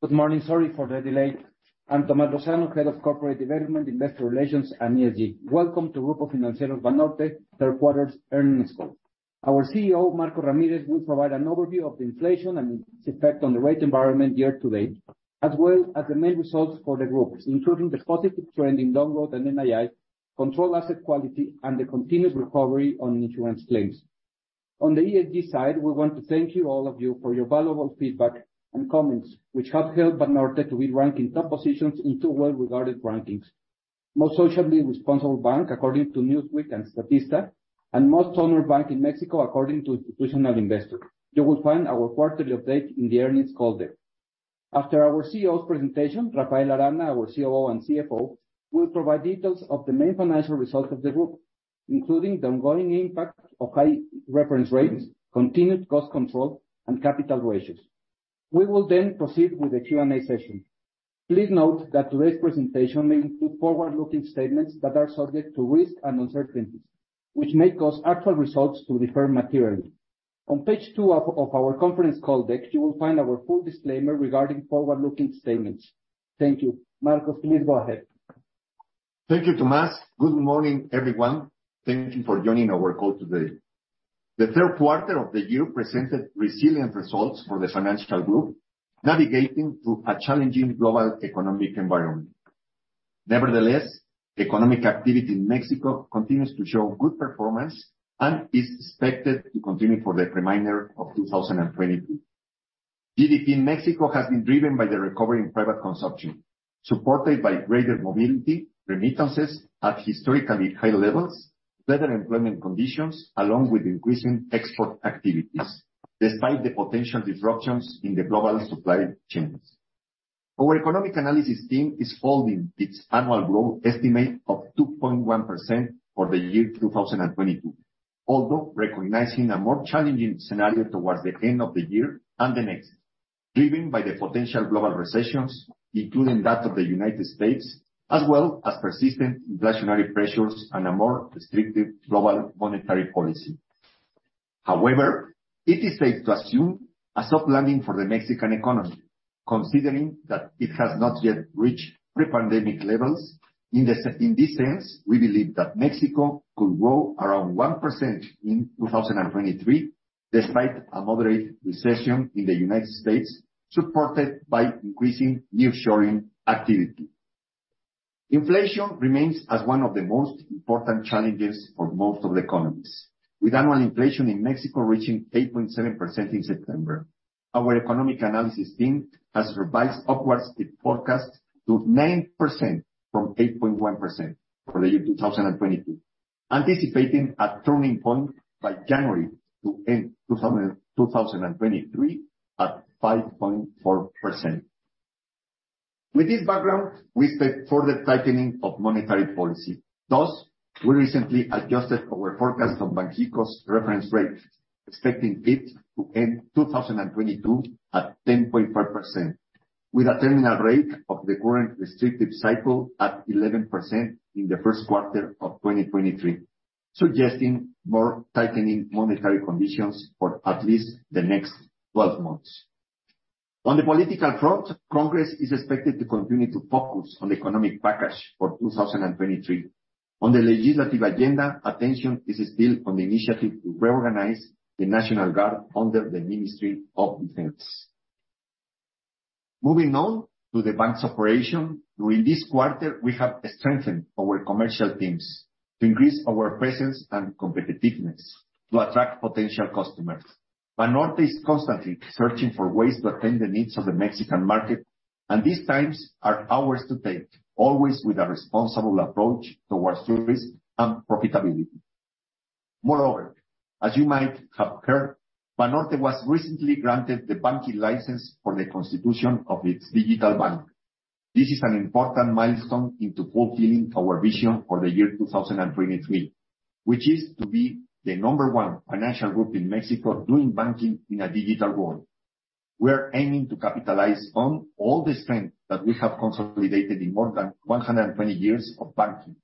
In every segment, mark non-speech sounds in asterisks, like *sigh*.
Good morning. Sorry for the delay. I'm Tomas Lozano, Head of Corporate Development, Investor Relations, and ESG. Welcome to Grupo Financiero Banorte Third Quarter Earnings Call. Our CEO, Marco Ramirez, will provide an overview of the inflation and its effect on the rate environment year to date, as well as the main results for the group, including the positive trend in long-term NII, controlled asset quality, and the continuous recovery on insurance claims. On the ESG side, we want to thank you, all of you, for your valuable feedback and comments, which have helped Banorte to be ranked in top positions in two well-regarded rankings. Most Socially Responsible Bank, according to Newsweek and Statista, and Most Honest Bank in Mexico, according to Institutional Investor. You will find our quarterly update in the earnings call deck. After our CEO's presentation, Rafael Arana, our COO and CFO, will provide details of the main financial results of the group, including the ongoing impact of high reference rates, continued cost control, and capital ratios. We will then proceed with the Q&A session. Please note that today's presentation may include forward-looking statements that are subject to risks and uncertainties, which may cause actual results to differ materially. On page two of our conference call deck, you will find our full disclaimer regarding forward-looking statements. Thank you. Marcos, please go ahead. Thank you, Tomas. Good morning, everyone. Thank you for joining our call today. The third quarter of the year presented resilient results for the financial group, navigating through a challenging global economic environment. Nevertheless, economic activity in Mexico continues to show good performance and is expected to continue for the remainder of 2022. GDP in Mexico has been driven by the recovery in private consumption, supported by greater mobility, remittances at historically high levels, better employment conditions, along with increasing export activities, despite the potential disruptions in the global supply chains. Our economic analysis team is holding its annual growth estimate of 2.1% for the year 2022, although recognizing a more challenging scenario towards the end of the year and the next, driven by the potential global recessions, including that of the United States, as well as persistent inflationary pressures and a more restrictive global monetary policy. However, it is safe to assume a soft landing for the Mexican economy, considering that it has not yet reached pre-pandemic levels. In this sense, we believe that Mexico could grow around 1% in 2023, despite a moderate recession in the United States, supported by increasing nearshoring activity. Inflation remains as one of the most important challenges for most of the economies. With annual inflation in Mexico reaching 8.7% in September, our economic analysis team has revised upwards its forecast to 9% from 8.1% for the year 2022, anticipating a turning point by January to end 2023 at 5.4%. With this background, we expect further tightening of monetary policy. Thus, we recently adjusted our forecast of Banxico's reference rate, expecting it to end 2022 at 10.5%, with a terminal rate of the current restrictive cycle at 11% in the first quarter of 2023, suggesting more tightening monetary conditions for at least the next 12 months. On the political front, Congress is expected to continue to focus on the economic package for 2023. On the legislative agenda, attention is still on the initiative to reorganize the National Guard under the Secretariat of National Defense. Moving on to the bank's operation. During this quarter, we have strengthened our commercial teams to increase our presence and competitiveness to attract potential customers. Banorte is constantly searching for ways to attend the needs of the Mexican market, and these times are ours to take, always with a responsible approach towards risk and profitability. Moreover, as you might have heard, Banorte was recently granted the banking license for the constitution of its digital bank. This is an important milestone into fulfilling our vision for the year 2023, which is to be the number one financial group in Mexico doing banking in a digital world. We are aiming to capitalize on all the strength that we have consolidated in more than 120 years of banking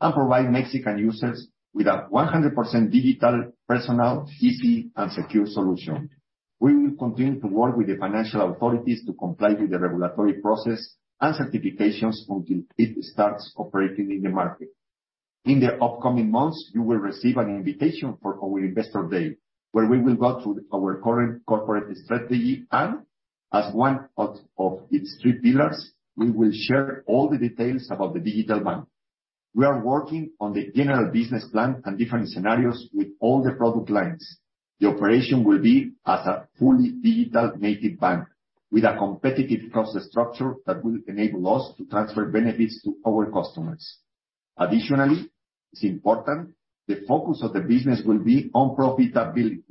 and provide Mexican users with a 100% digital personal, easy, and secure solution. We will continue to work with the financial authorities to comply with the regulatory process and certifications until it starts operating in the market. In the upcoming months, you will receive an invitation for our Investor Day, where we will go through our current corporate strategy and, as one of its 3 pillars, we will share all the details about the digital bank. We are working on the general business plan and different scenarios with all the product lines. The operation will be as a fully digital-native bank with a competitive cost structure that will enable us to transfer benefits to our customers. It's important, the focus of the business will be on profitability.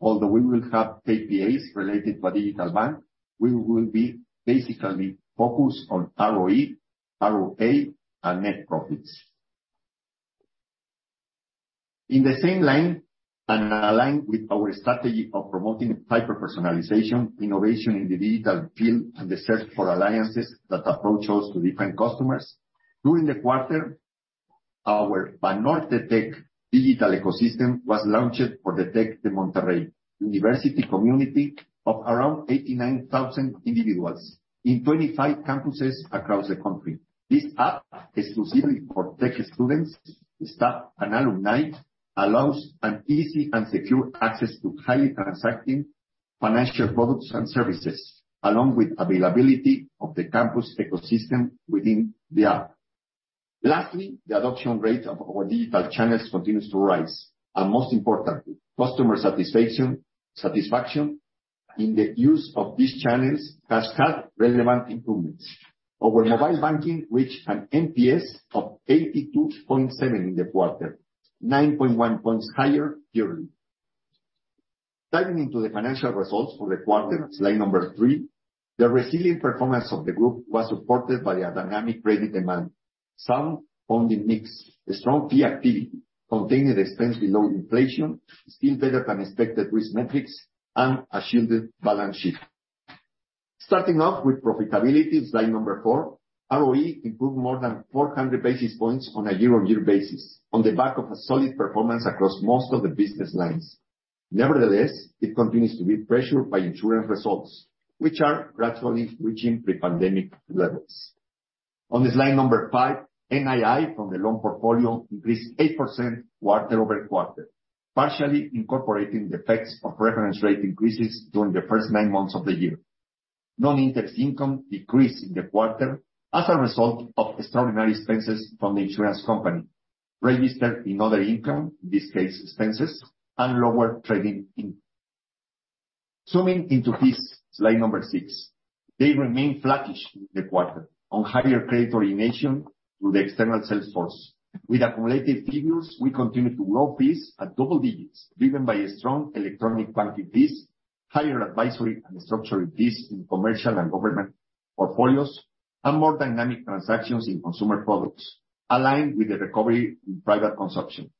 Although we will have KPIs related to our digital bank, we will be basically focused on ROE, ROA, and net profits. In the same line, and aligned with our strategy of promoting hyper-personalization, innovation in the digital field, and the search for alliances that approach us to different customers, during the quarter. Our Banorte Tech digital ecosystem was launched for the Tec de Monterrey community of around 89,000 individuals in 25 campuses across the country. This app, exclusively for Tec students, staff, and alumni, allows an easy and secure access to highly transacting financial products and services, along with availability of the campus ecosystem within the app. Lastly, the adoption rate of our digital channels continues to rise, and most importantly, customer satisfaction in the use of these channels has had relevant improvements. Our mobile banking reached an NPS of 82.7 in the quarter, 9.1 points higher yearly. Diving into the financial results for the quarter, slide 3, the resilient performance of the group was supported by a dynamic credit demand, sound funding mix, strong fee activity, contained expense below inflation, still better than expected risk metrics, and a shielded balance sheet. Starting off with profitability on slide 4, ROE improved more than 400 basis points on a year-on-year basis on the back of a solid performance across most of the business lines. Nevertheless, it continues to be pressured by insurance results, which are gradually reaching pre-pandemic levels. On slide 5, NII from the loan portfolio increased 8% quarter-over-quarter, partially incorporating the effects of reference rate increases during the first 9 months of the year. Non-interest income decreased in the quarter as a result of extraordinary expenses from the insurance company registered in other income, this case expenses, and lower trading income. Zooming into fees, slide number 6. They remained flattish in the quarter on higher credit origination through the external sales force. With accumulated figures, we continue to grow fees at double digits, driven by a strong electronic banking fees, higher advisory and structural fees in commercial and government portfolios, and more dynamic transactions in consumer products, aligned with the recovery in private consumption.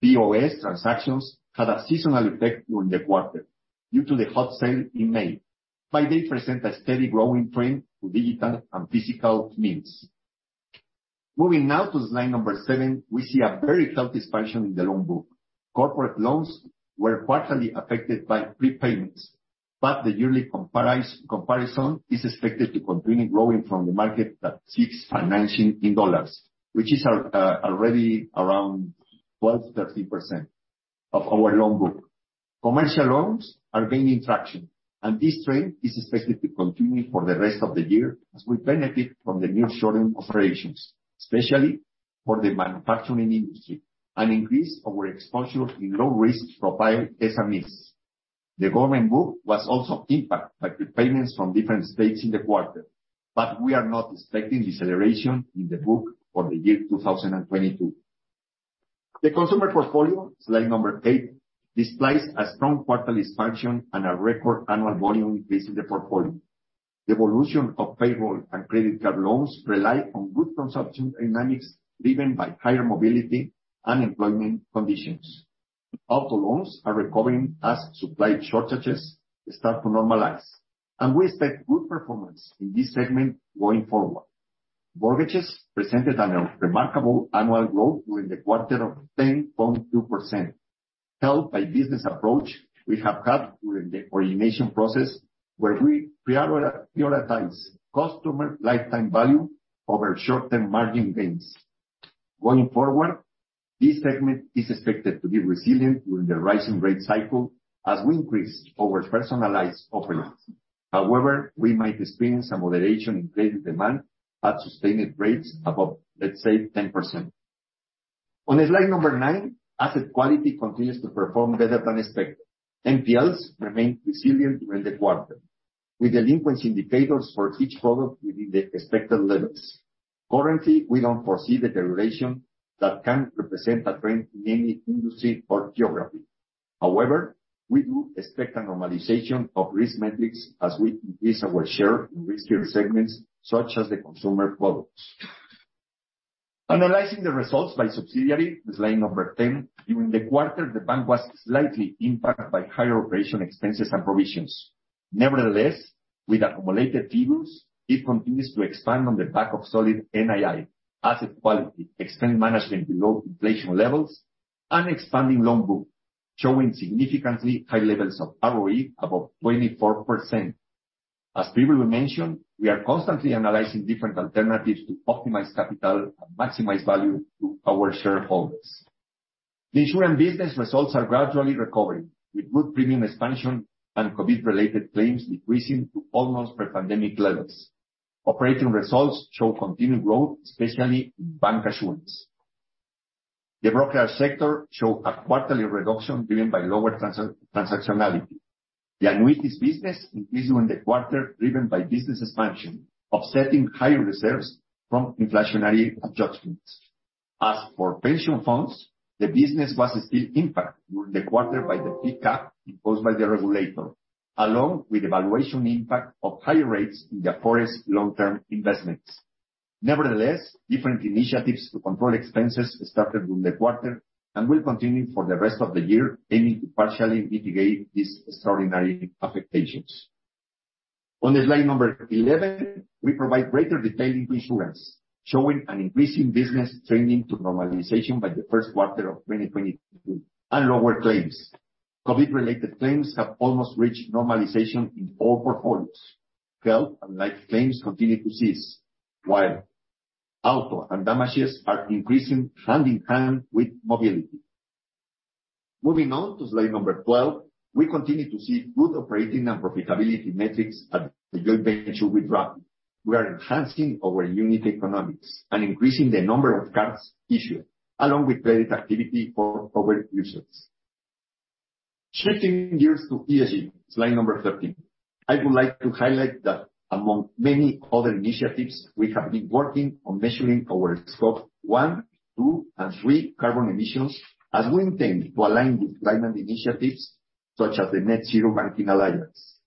POS transactions had a seasonal effect during the quarter due to the Hot Sale in May, but they present a steady growing trend through digital and physical means. Moving now to slide number 7, we see a very healthy expansion in the loan book. Corporate loans were partially affected by prepayments, but the yearly comparison is expected to continue growing from the market that seeks financing in dollars, which is already around 12%-13% of our loan book. Commercial loans are gaining traction, and this trend is expected to continue for the rest of the year as we benefit from the new short-term operations, especially for the manufacturing industry, and increase our exposure in low risk profile SMEs. The government book was also impacted by prepayments from different states in the quarter, but we are not expecting deceleration in the book for the year 2022. The consumer portfolio, slide 8, displays a strong quarterly expansion and a record annual volume increase in the portfolio. The evolution of payroll and credit card loans rely on good consumption dynamics, driven by higher mobility and employment conditions. Auto loans are recovering as supply shortages start to normalize, and we expect good performance in this segment going forward. Mortgages presented a remarkable annual growth during the quarter of 10.2%, helped by business approach we have had during the origination process, where we prioritize customer lifetime value over short-term margin gains. Going forward, this segment is expected to be resilient during the rising rate cycle as we increase our personalized offerings. However, we might experience some moderation in credit demand at sustained rates above, let's say, 10%. On the slide number 9, asset quality continues to perform better than expected. NPLs remained resilient during the quarter, with delinquency indicators for each product within the expected levels. Currently, we don't foresee deterioration that can represent a trend in any industry or geography. However, we do expect a normalization of risk metrics as we increase our share in riskier segments, such as the consumer products. Analyzing the results by subsidiary, slide number 10, during the quarter, the bank was slightly impacted by higher operating expenses and provisions. Nevertheless, with accumulated figures, it continues to expand on the back of solid NII, asset quality, expense management below inflation levels, and expanding loan book, showing significantly high levels of ROE above 24%. As previously mentioned, we are constantly analyzing different alternatives to optimize capital and maximize value to our shareholders. The insurance business results are gradually recovering with good premium expansion and COVID-related claims decreasing to almost pre-pandemic levels. Operating results show continued growth, especially in bancassurance. The broker sector showed a quarterly reduction driven by lower transactionality. The annuities business increased during the quarter driven by business expansion, offsetting higher reserves from inflationary adjustments. As for pension funds, the business was still impacted during the quarter by the fee cap imposed by the regulator, along with the valuation impact of higher rates for its long-term investments. Nevertheless, different initiatives to control expenses started during the quarter and will continue for the rest of the year, aiming to partially mitigate these extraordinary affectations. On the slide number 11, we provide greater detail to insurance, showing an increasing business trending to normalization by the first quarter of 2022, and lower claims. COVID-related claims have almost reached normalization in all portfolios. Health and life claims continue to decrease, while auto and damages are increasing hand in hand with mobility. Moving on to slide number 12, we continue to see good operating and profitability metrics at the joint venture with Rappi. We are enhancing our unit economics and increasing the number of cards issued, along with credit activity for our users. Shifting gears to ESG, slide number 13. I would like to highlight that among many other initiatives, we have been working on measuring our scope 1, 2, and 3 carbon emissions as we intend to align with climate initiatives such as the Net-Zero Banking Alliance.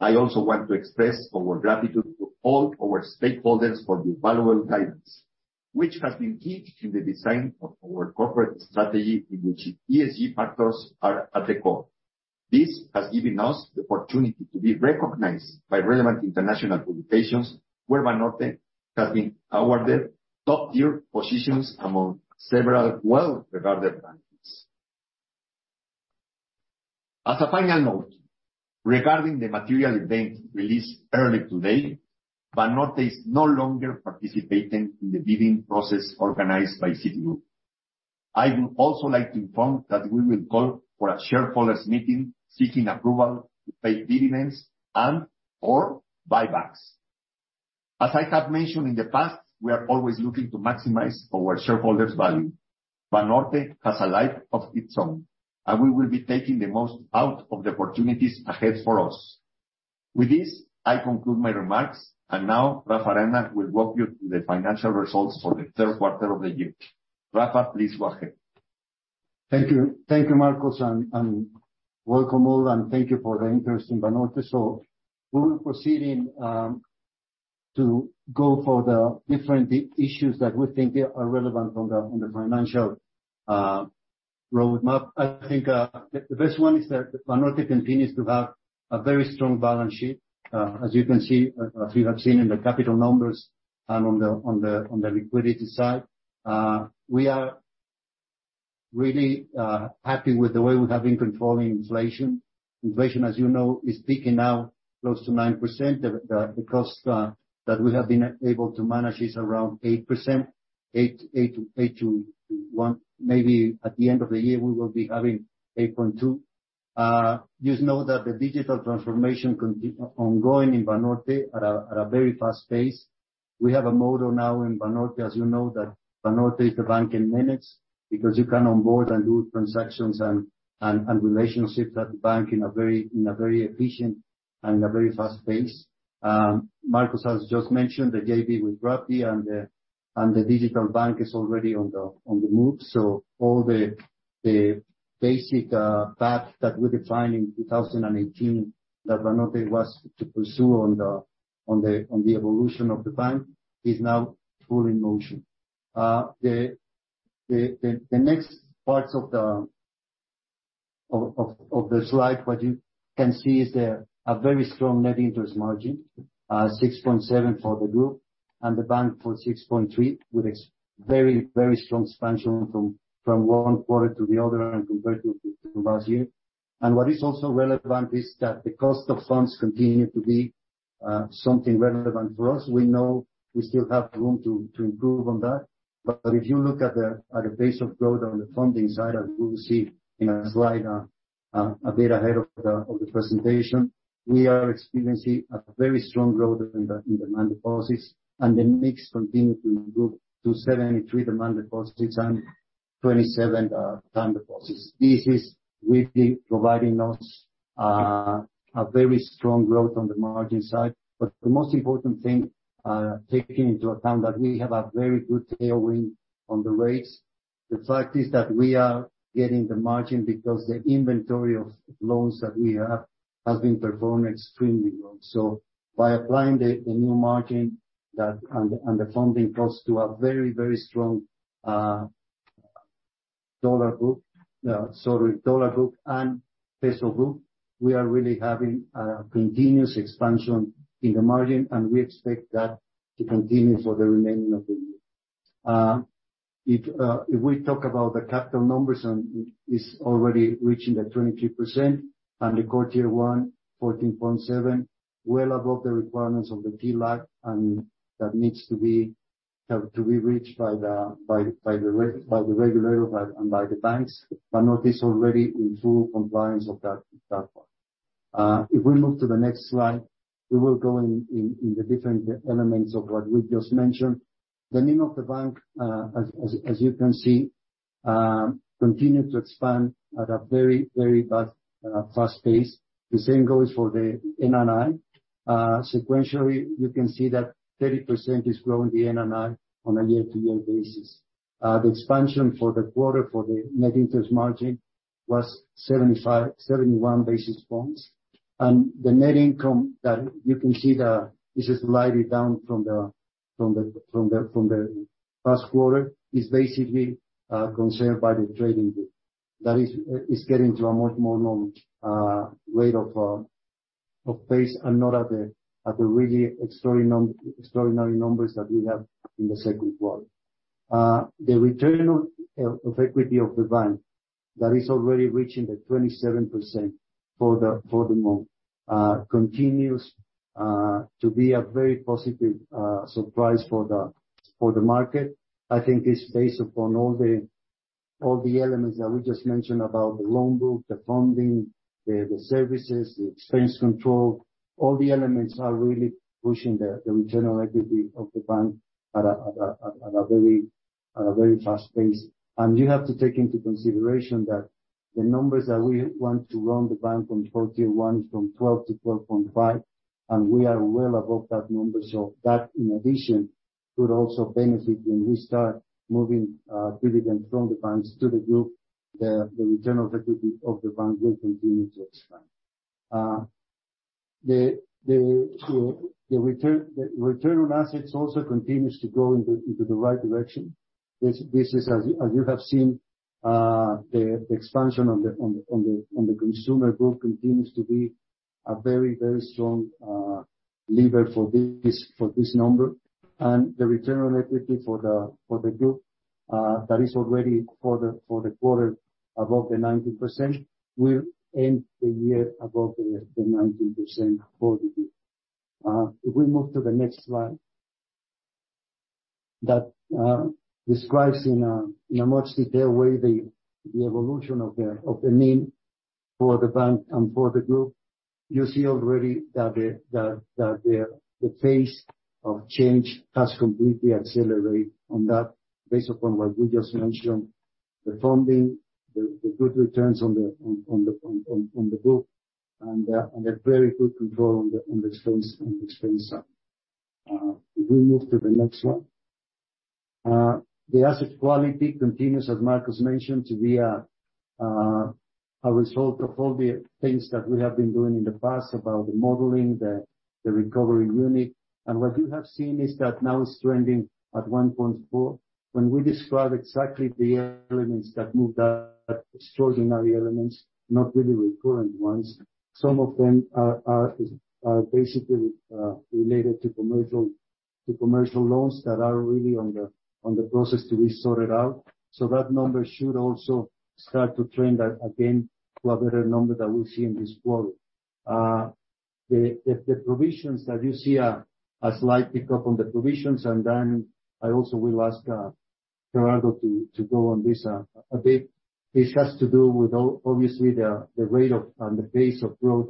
I also want to express our gratitude to all our stakeholders for the valuable guidance, which has been key to the design of our corporate strategy, in which ESG factors are at the core. This has given us the opportunity to be recognized by relevant international publications, where Banorte has been awarded top-tier positions among several well-regarded banks. As a final note, regarding the material event released early today, Banorte is no longer participating in the bidding process organized by Citigroup. I would also like to inform that we will call for a shareholders meeting seeking approval to pay dividends and/or buybacks. As I have mentioned in the past, we are always looking to maximize our shareholders value. Banorte has a life of its own, and we will be taking the most out of the opportunities ahead for us. With this, I conclude my remarks, and now Rafa Reina will walk you through the financial results for the third quarter of the year. Rafa, please go ahead. Thank you. Thank you, Marcos, welcome all, and thank you for the interest in Banorte. We will proceed to go for the different issues that we think are relevant on the financial roadmap. I think the best one is that Banorte continues to have a very strong balance sheet, as you can see, as you have seen in the capital numbers and on the liquidity side. We are really happy with the way we have been controlling inflation. Inflation, as you know, is peaking now close to 9%. The cost that we have been able to manage is around 8%, 8.8%-8.1%. Maybe at the end of the year, we will be having 8.2%. You know that the digital transformation ongoing in Banorte at a very fast pace. We have a motto now in Banorte, as you know, that Banorte is a bank in minutes, because you can onboard and do transactions and relationships at the bank in a very efficient and a very fast pace. Marcos has just mentioned the JV with Rappi and the digital bank is already on the move. All the basic path that we defined in 2018 that Banorte was to pursue on the evolution of the bank is now fully in motion. The next parts of the slide, what you can see is a very strong net interest margin, 6.7% for the group and the bank for 6.3%, with a very strong expansion from one quarter to the other and compared to last year. What is also relevant is that the cost of funds continue to be something relevant for us. We know we still have room to improve on that. If you look at the pace of growth on the funding side, as we will see in a slide a bit ahead of the presentation, we are experiencing a very strong growth in the demand deposits, and the mix continues to move to 73% demand deposits and 27% time deposits. This is really providing us a very strong growth on the margin side. The most important thing, taking into account that we have a very good tailwind on the rates, the fact is that we are getting the margin because the inventory of loans that we have has been performing extremely well. By applying the new margin and the funding cost to a very strong dollar group and peso group, we are really having a continuous expansion in the margin and we expect that to continue for the remaining of the year. If we talk about the capital numbers, it is already reaching 23% and Q1 14.7, well above the requirements of the TLAC, and that has to be reached by the regulator and by the banks. Banorte is already in full compliance of that part. If we move to the next slide, we will go in the different elements of what we just mentioned. The NIM of the bank, as you can see, continue to expand at a very fast pace. The same goes for the NII. Sequentially, you can see that the NII is growing 30% on a year-to-year basis. The expansion for the quarter for the net interest margin was 71 basis points. The net income that you can see that is slightly down from the past quarter is basically caused by the trading group that is getting to a much more normal rate of pace, and not at the really extraordinary numbers that we have in the second quarter. The return on equity of the bank that is already reaching 27% for the month continues to be a very positive surprise for the market. I think it's based upon all the elements that we just mentioned about the loan book, the funding, the services, the expense control. All the elements are really pushing the return on equity of the bank at a very fast pace. You have to take into consideration that the numbers that we want to run the bank from 41, from 12% to 12.5%, and we are well above that number. That, in addition, could also benefit when we start moving dividends from the banks to the group. The return on equity of the bank will continue to expand. The return on assets also continues to go into the right direction. This is as you have seen, the expansion on the consumer group continues to be a very strong lever for this number. The return on equity for the group that is already for the quarter above the 19% will end the year above the 19% for the group. If we move to the next slide. That describes in a much detailed way the evolution of the NII for the bank and for the group. You see already that the pace of change has completely accelerate on that, based upon what we just mentioned, the funding, the good returns on the book, and a very good control on the expense side. If we move to the next one. The asset quality continues, as Marcos mentioned, to be a result of all the things that we have been doing in the past about the modeling, the recovery unit. What you have seen is that now it's trending at 1.4%. When we describe exactly the elements that moved that extraordinary elements, not really recurrent ones, some of them are basically related to commercial loans that are really on the process to be sorted out. That number should also start to trend that again to a better number that we see in this quarter. The provisions that you see are a slight pickup on the provisions, and then I also will ask Gerardo to go on this a bit. This has to do with obviously the rate and the pace of growth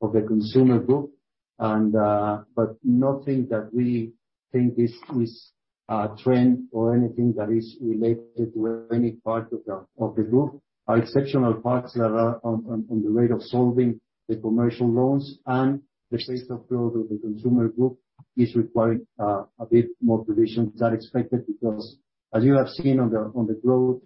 of the consumer group. But nothing that we think is a trend or anything that is related to any part of the group. Our exceptional parts that are on the rate of solvency of the commercial loans and the pace of growth of the consumer group is requiring a bit more provisions than expected. Because as you have seen on the growth,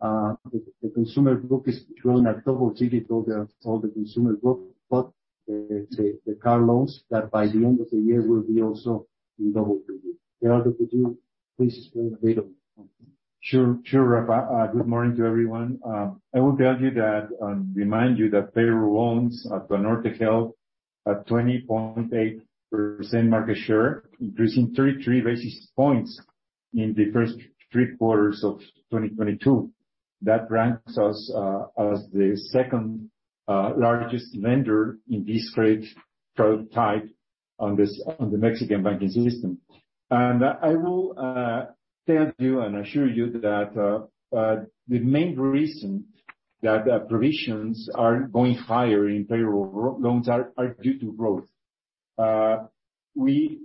the consumer group is growing at double digits, all the consumer group, but the car loans that by the end of the year will be also in double digits. Gerardo, could you please explain a bit of it? Sure, Rafa. Good morning to everyone. I will tell you that, remind you that payroll loans at Banorte held a 20.8% market share, increasing 33 basis points in the first three quarters of 2022. That ranks us as the second largest lender in this credit product type on the Mexican banking system. I will tell you and assure you that the main reason that the provisions are going higher in payroll loans are due to growth. We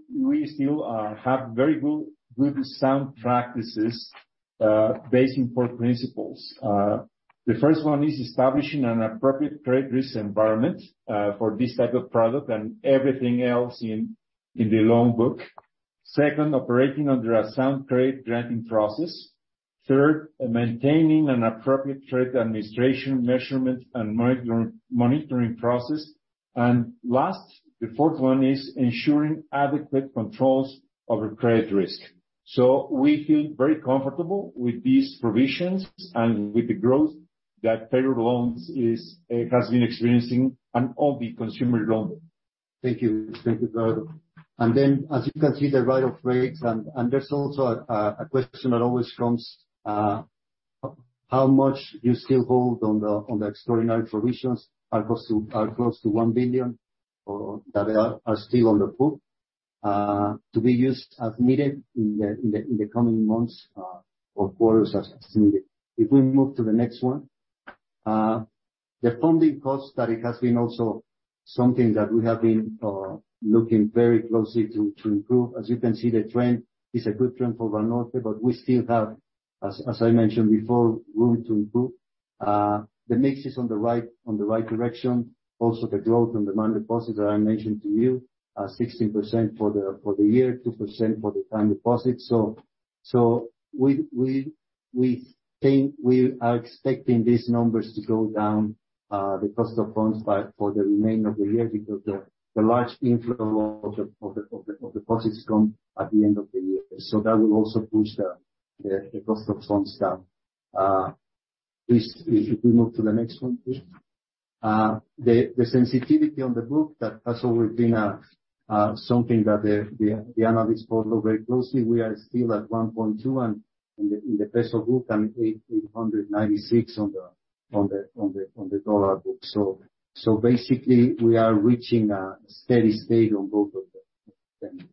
still have very good sound practices based on four principles. The first one is establishing an appropriate credit risk environment for this type of product and everything else in the loan book. Second, operating under a sound credit granting process. Third, maintaining an appropriate credit administration measurement and monitoring process. Last, the fourth one is ensuring adequate controls over credit risk. We feel very comfortable with these provisions and with the growth that payroll loans has been experiencing on all the consumer lending. Thank you. Thank you, Gerardo. As you can see the rate of rates and there's also a question that always comes, how much you still hold on the, on the extraordinary provisions are close to 1 billion, or that are still on the book, to be used as needed in the coming months, or quarters as needed. If we move to the next one. The funding cost study has been also something that we have been looking very closely to improve. As you can see, the trend is a good trend for Banorte, but we still have, as I mentioned before, room to improve. The mix is on the right direction. The growth on the money deposits that I mentioned to you, 16% for the year, 2% for the time deposit. We think we are expecting these numbers to go down, the cost of funds by for the remainder of the year because the large inflow of the deposits come at the end of the year. That will also push the cost of funds down. Please, if we move to the next one, please. The sensitivity on the book that has always been a something that the analyst follow very closely, we are still at 1.2 in the peso book, and 896 on the dollar book. Basically, we are reaching a steady state on both of them.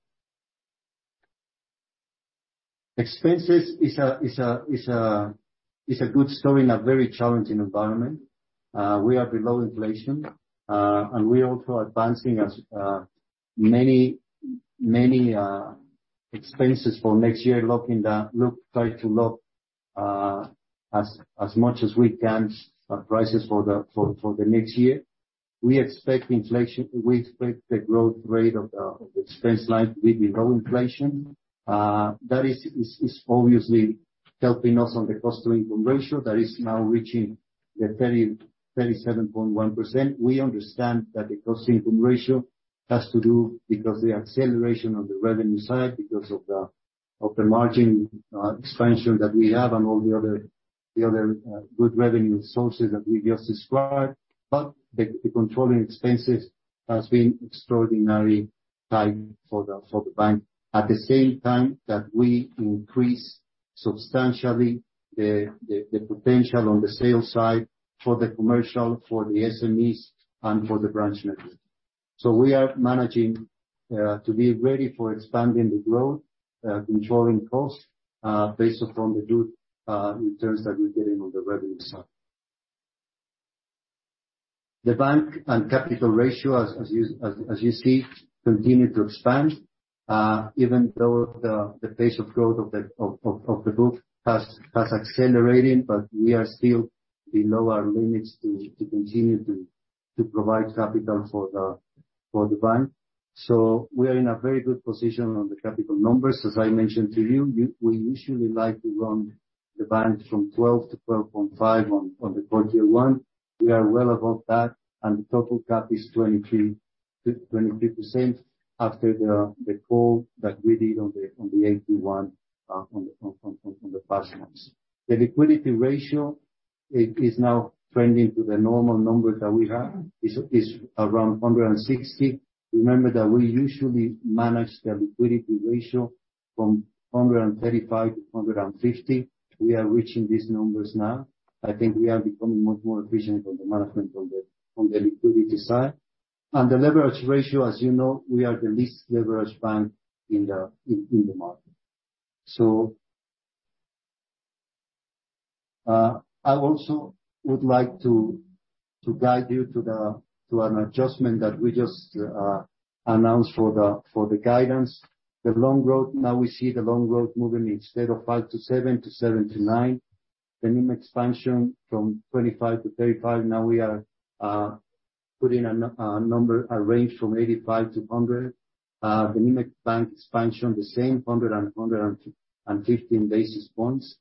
Expenses is a good story in a very challenging environment. We are below inflation, and we're also advancing as many expenses for next year, try to lock as much as we can, prices for the next year. We expect the growth rate of the expense line to be below inflation. That is obviously helping us on the cost income ratio that is now reaching the 37.1%. We understand that the cost income ratio has to do because the acceleration on the revenue side, because of the margin expansion that we have and all the other good revenue sources that we just described. The controlling expenses has been extraordinarily tight for the bank. At the same time that we increase substantially the potential on the sales side for the commercial, for the SMEs, and for the branch network. We are managing to be ready for expanding the growth, controlling costs, based upon the good returns that we're getting on the revenue side. The bank and capital ratio, as you see, continue to expand even though the pace of growth of the book has accelerated, but we are still below our limits to continue to provide capital for the bank. We are in a very good position on the capital numbers. As I mentioned to you, we usually like to run the bank from 12%-12.5% on the Core Tier 1. We are well above that, and the total cap is 23%-23% after the call that we did on the AT1 from the past months. The liquidity ratio is now trending to the normal numbers that we have. It is around 160%. Remember that we usually manage the liquidity ratio from 135 to 150. We are reaching these numbers now. I think we are becoming much more efficient on the management on the liquidity side. The leverage ratio, as you know, we are the least leveraged bank in the market. I also would like to guide you to an adjustment that we just announced for the guidance. The loan growth, now we see the loan growth moving instead of 5-7 to 7-9. The NIM expansion from 25-35, now we are putting a number, a range from 85-100. The NIM bank expansion, the same, 100-115 basis points.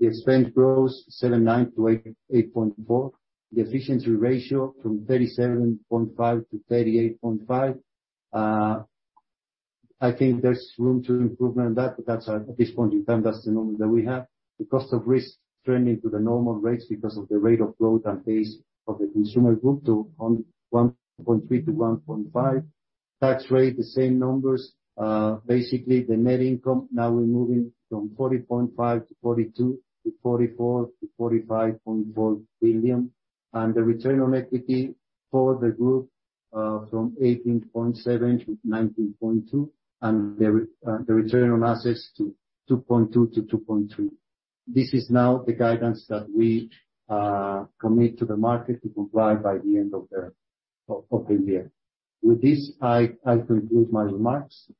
The expense growth, 7-9 to 8.4. The efficiency ratio 37.5%-38.5%. I think there's room for improvement on that, but that's at this point in time, that's the number that we have. The cost of risk trending to the normal rates because of the rate of growth and based on the consumer group to 1.1% to 1.3%-1.5%. Tax rate, the same numbers. Basically the net income, now we're moving from 40.5 billion to 42 billion to 44 billion to 45.4 billion. The return on equity for the group from 18.7% to 19.2%. The return on assets 2.2%-2.3%. This is now the guidance that we commit to the market to comply by the end of the year. With this, I conclude my remarks.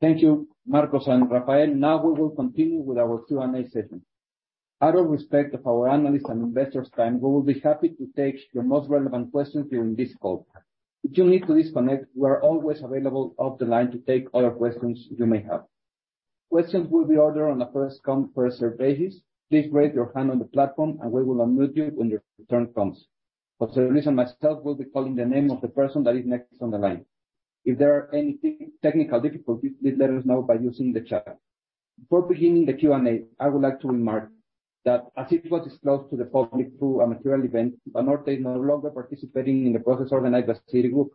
Thank you, Marcos and Rafael. Now we will continue with our Q&A session. Out of respect for our analysts and investors' time, we will be happy to take your most relevant questions during this call. If you need to disconnect, we are always available off the line to take other questions you may have. Questions will be ordered on a first come, first serve basis. Please raise your hand on the platform, and we will unmute you when your turn comes. For that reason, myself will be calling the name of the person that is next on the line. If there are any technical difficulties, please let us know by using the chat. Before beginning the Q&A, I would like to remark that as it was disclosed to the public through a material event, Banorte is no longer participating in the process organized by Citigroup.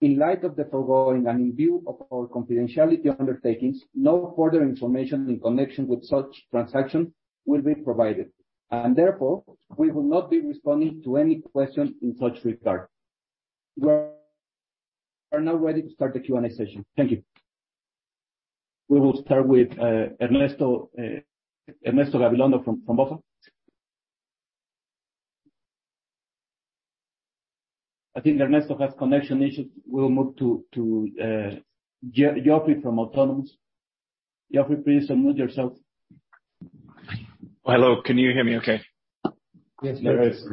In light of the foregoing and in view of our confidentiality undertakings, no further information in connection with such transaction will be provided. Therefore, we will not be responding to any questions in such regard. We are now ready to start the Q&A session. Thank you. We will start with Ernesto Gabilondo from BofA. I think Ernesto has connection issues. We will move to Geoffrey from Autonomous. Geoffrey, please unmute yourself. Hello. Can you hear me okay? Yes, yes.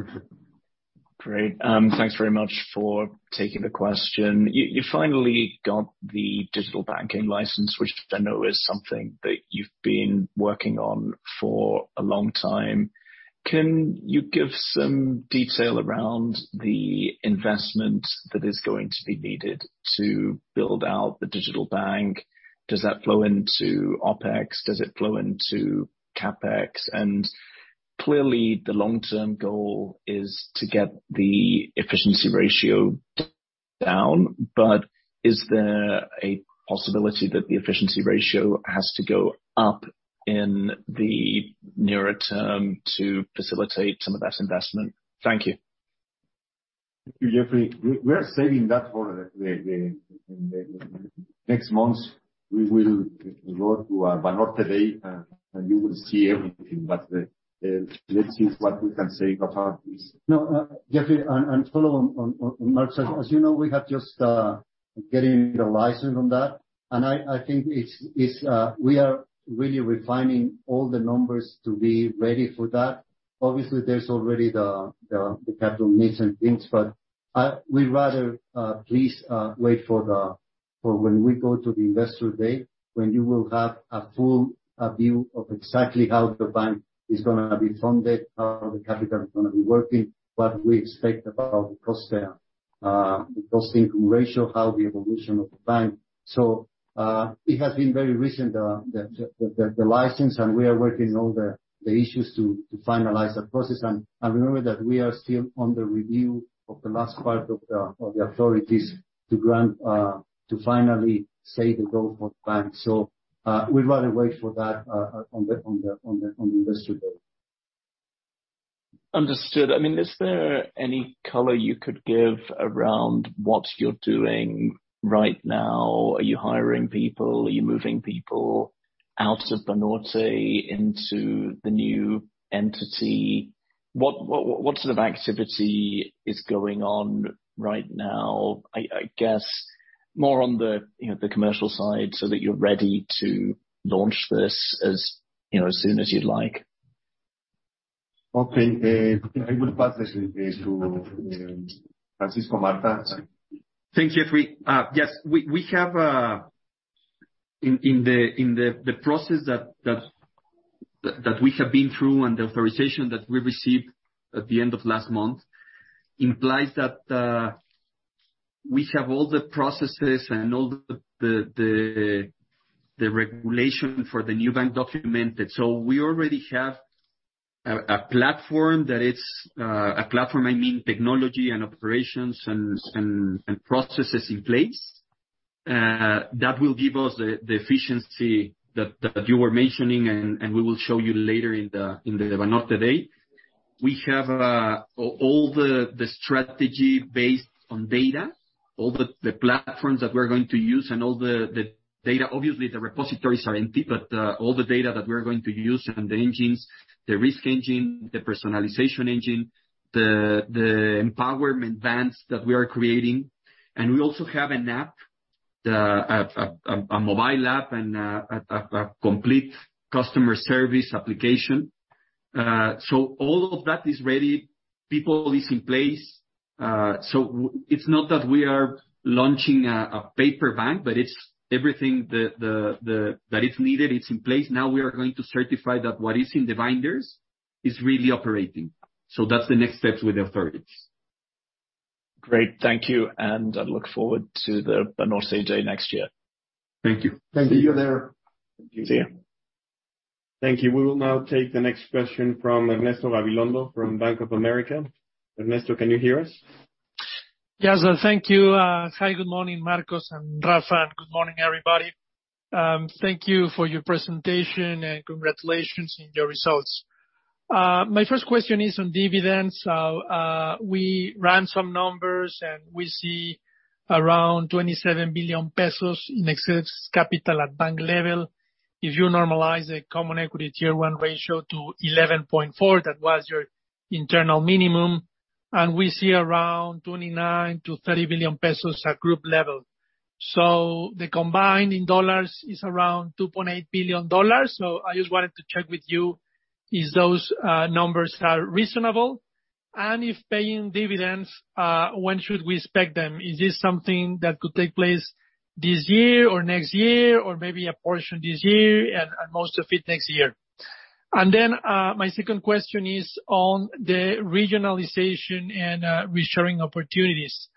Great. Thanks very much for taking the question. You finally got the digital banking license, which I know is something that you've been working on for a long time. Can you give some detail around the investment that is going to be needed to build out the digital bank? Does that flow into OpEx? Does it flow into CapEx? Clearly, the long-term goal is to get the efficiency ratio down. Down, but is there a possibility that the efficiency ratio has to go up in the near term to facilitate some of that investment? Thank you. Thank you, Geoffrey. We are saving that for the next month. We will go to our Banorte Day and you will see everything. Let's see what we can say about this. No, Geoffrey, and follow on Marcos. As you know, we have just getting the license on that. I think it's we are really refining all the numbers to be ready for that. Obviously, there's already the capital needs and things, but we'd rather please wait for when we go to the Investor Day, when you will have a full view of exactly how the bank is gonna be funded, how the capital is gonna be working, what we expect about cost, the cost income ratio, how the evolution of the bank. It has been very recent, the license, and we are working all the issues to finalize the process. Remember that we are still on the review of the last part of the authorities to grant to finally say the go-ahead for the bank. We'd rather wait for that on the Investor Day. Understood. I mean, is there any color you could give around what you're doing right now? Are you hiring people? Are you moving people out of Banorte into the new entity? What sort of activity is going on right now? I guess more on the, you know, the commercial side so that you're ready to launch this as, you know, as soon as you'd like. Okay. I will pass this to Francisco Martha. Thank you, Geoffrey. Yes. We have in the process that we have been through and the authorization that we received at the end of last month implies that we have all the processes and all the regulation for the new bank documented. We already have a platform that it's a platform I mean technology and operations and processes in place that will give us the efficiency that you were mentioning, and we will show you later in the Banorte Day. We have all the strategy based on data, all the platforms that we're going to use and all the data. Obviously, the repositories are empty, but all the data that we're going to use and the engines, the risk engine, the personalization engine, the empowerment banks that we are creating. We also have an app, a mobile app and a complete customer service application. All of that is ready. People is in place. It's not that we are launching a paper bank, but it's everything that is needed, it's in place. Now we are going to certify that what is in the binders is really operating. That's the next steps with the authorities. Great. Thank you, and I look forward to the Banorte Day next year. Thank you. Thank you. See you there. See you. Thank you. We will now take the next question from Ernesto María Gabilondo Márquez from Bank of America. Ernesto, can you hear us? Thank you. Hi, good morning, Marcos and Rafa, and good morning, everybody. Thank you for your presentation, and congratulations on your results. My first question is on dividends. We ran some numbers, and we see around 27 billion pesos in excess capital at bank level. If you normalize the Common Equity Tier 1 ratio to 11.4, that was your internal minimum, and we see around 29 billion-30 billion pesos at group level. The combined in dollars is around $2.8 billion. I just wanted to check with you, is those numbers are reasonable? And if paying dividends, when should we expect them? Is this something that could take place this year or next year, or maybe a portion this year and most of it next year? Then, my second question is on the regionalization and reshoring opportunities.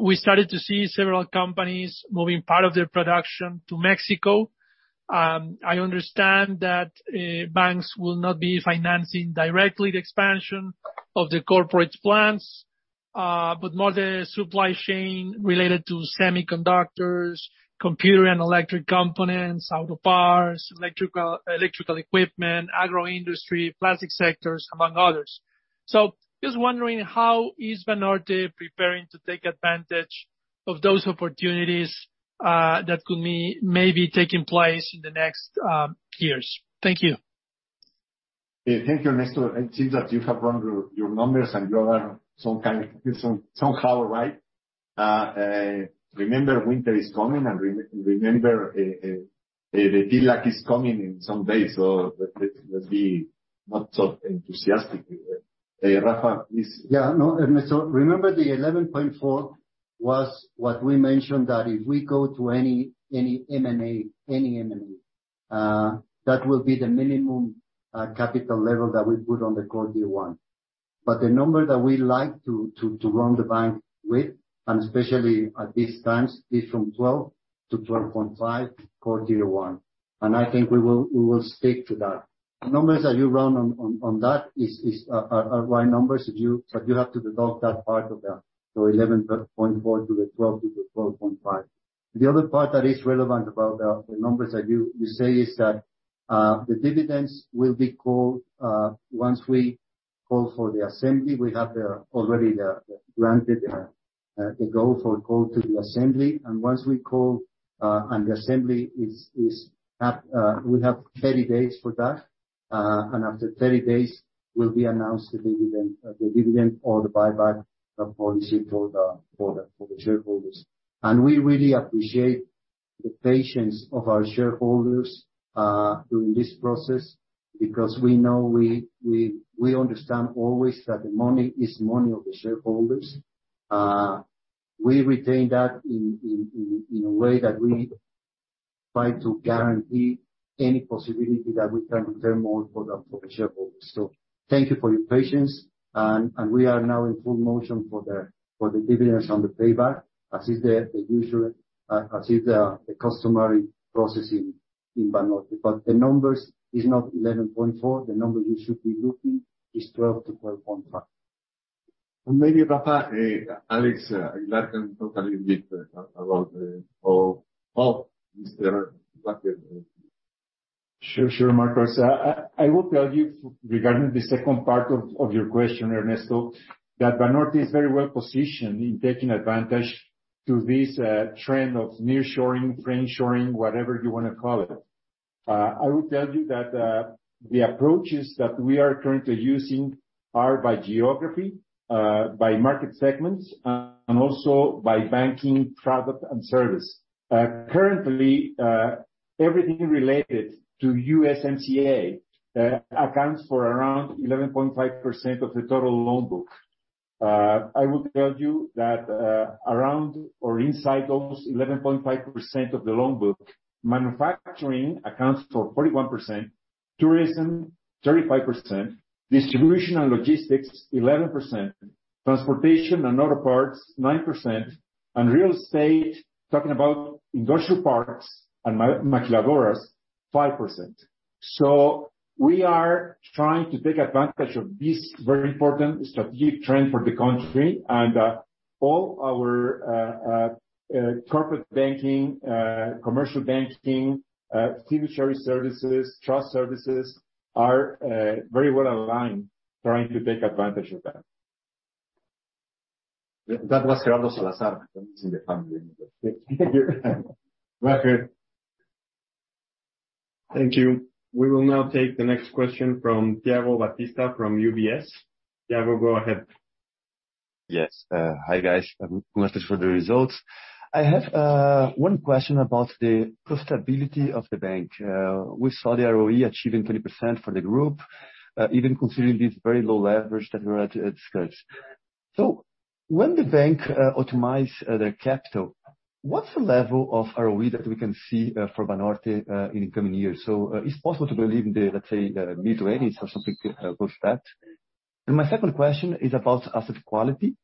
We started to see several companies moving part of their production to Mexico. I understand that banks will not be financing directly the expansion of the corporate plans, but more the supply chain related to semiconductors, computer and electric components, auto parts, electrical equipment, agro industry, plastic sectors, among others. Just wondering, how is Banorte preparing to take advantage of those opportunities that could be maybe taking place in the next years? Thank you. Thank you, Ernesto. It seems that you have run your numbers and you are somehow right. Remember winter is coming, and remember the TLAC is coming in some days. Let's be not so enthusiastic. Rafa, please. No, Ernesto, remember the 11.4% was what we mentioned, that if we go to any M&A, that will be the minimum capital level that we put on the Core Tier 1. The number that we like to run the bank with, and especially at these times, is from 12%-12.5% Core Tier 1, and I think we will stick to that. The numbers that you run on that are right numbers, but you have to deduct that part of the 11.4% to the 12% to the 12.5%. The other part that is relevant about the numbers that you say is that the dividends will be called once we call for the assembly. We have already been granted the go-ahead to call the assembly. Once we call the assembly, we have 30 days for that. After 30 days, the dividend or the buyback policy for the shareholders will be announced. We really appreciate the patience of our shareholders during this process, because we know we understand always that the money is money of the shareholders. We retain that in a way that we try to guarantee any possibility that we can return more for the shareholders. Thank you for your patience and we are now in full motion for the dividends on the payback, as is the usual, as is the customary process in Banorte. The numbers is not 11.4%. The number you should be looking is 12%-12.5%. Maybe Rafa, Alex, you'd like to talk a little bit about the call of Mr. Sure, Marcos. I will tell you regarding the second part of your question, Ernesto, that Banorte is very well positioned in taking advantage to this trend of nearshoring, friendshoring, whatever you wanna call it. I will tell you that the approaches that we are currently using are by geography, by market segments, and also by banking product and service. Currently, everything related to USMCA accounts for around 11.5% of the total loan book. I will tell you that around or inside those 11.5% of the loan book, manufacturing accounts for 41%, tourism 35%, distribution and logistics 11%, transportation and auto parts 9%, and real estate, talking about industrial parks and maquiladoras, 5%. We are trying to take advantage of this very important strategic trend for the country and all our corporate banking, commercial banking, fiduciary services, trust services are very well aligned trying to take advantage of that. That was Gerardo Salazar. He's in the family. Rafael. Thank you. We will now take the next question from Thiago Batista from UBS. Thiago, go ahead. Yes. Hi, guys. Congratulations for the results. I have one question about the profitability of the bank. We saw the ROE achieving 20% for the group, even considering this very low leverage that Gerardo discussed. When the bank optimize their capital, what's the level of ROE that we can see for Banorte in the coming years? It's possible to believe in the, let's say, mid-teens or something close to that. My second question is about asset quality.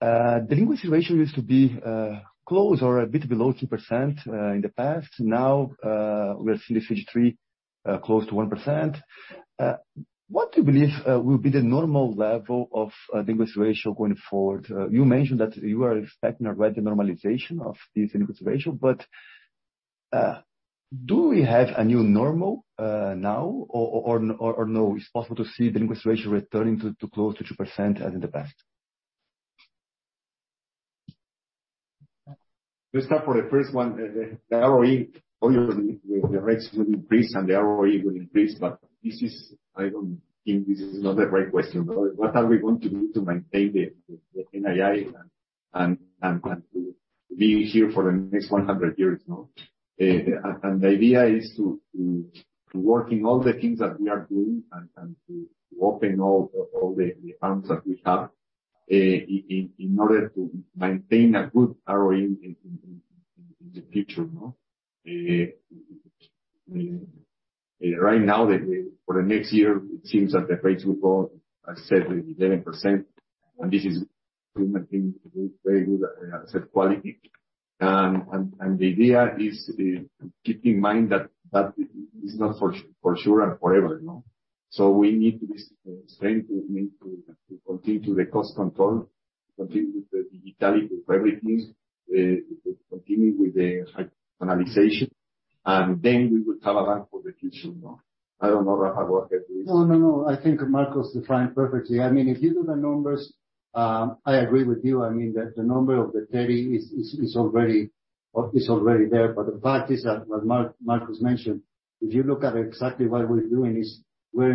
The LGD ratio used to be close or a bit below 2% in the past. Now we are still at 3.3, close to 1%. What do you believe will be the normal level of LGD ratio going forward? You mentioned that you are expecting already normalization of this NPL ratio, but do we have a new normal now or no? It's possible to see the NPL ratio returning to close to 2% as in the past. Let's start for the first one. The ROE, obviously with the rates will increase and the ROE will increase, but this is. I don't think this is not the right question. What are we going to do to maintain the NII and to be here for the next 100 years, you know? The idea is to working all the things that we are doing and to open all the accounts that we have, in order to maintain a good ROE in the future, you know? Right now, for the next year, it seems that the rates will go, as said, 11%, and this is still maintaining good, very good, asset quality. Keep in mind that that is not for sure and forever, you know? We need to be strong. We need to continue the cost control, continue with the digital, with everything, continue with the high penetration, and then we will have a bank for the future, you know. I don't know, Rafael. No, no. I think Marcos defined perfectly. I mean, if you do the numbers, I agree with you. I mean, the number of the 30% is already there. But the fact is that what Marcos mentioned, if you look at exactly what we're doing is we're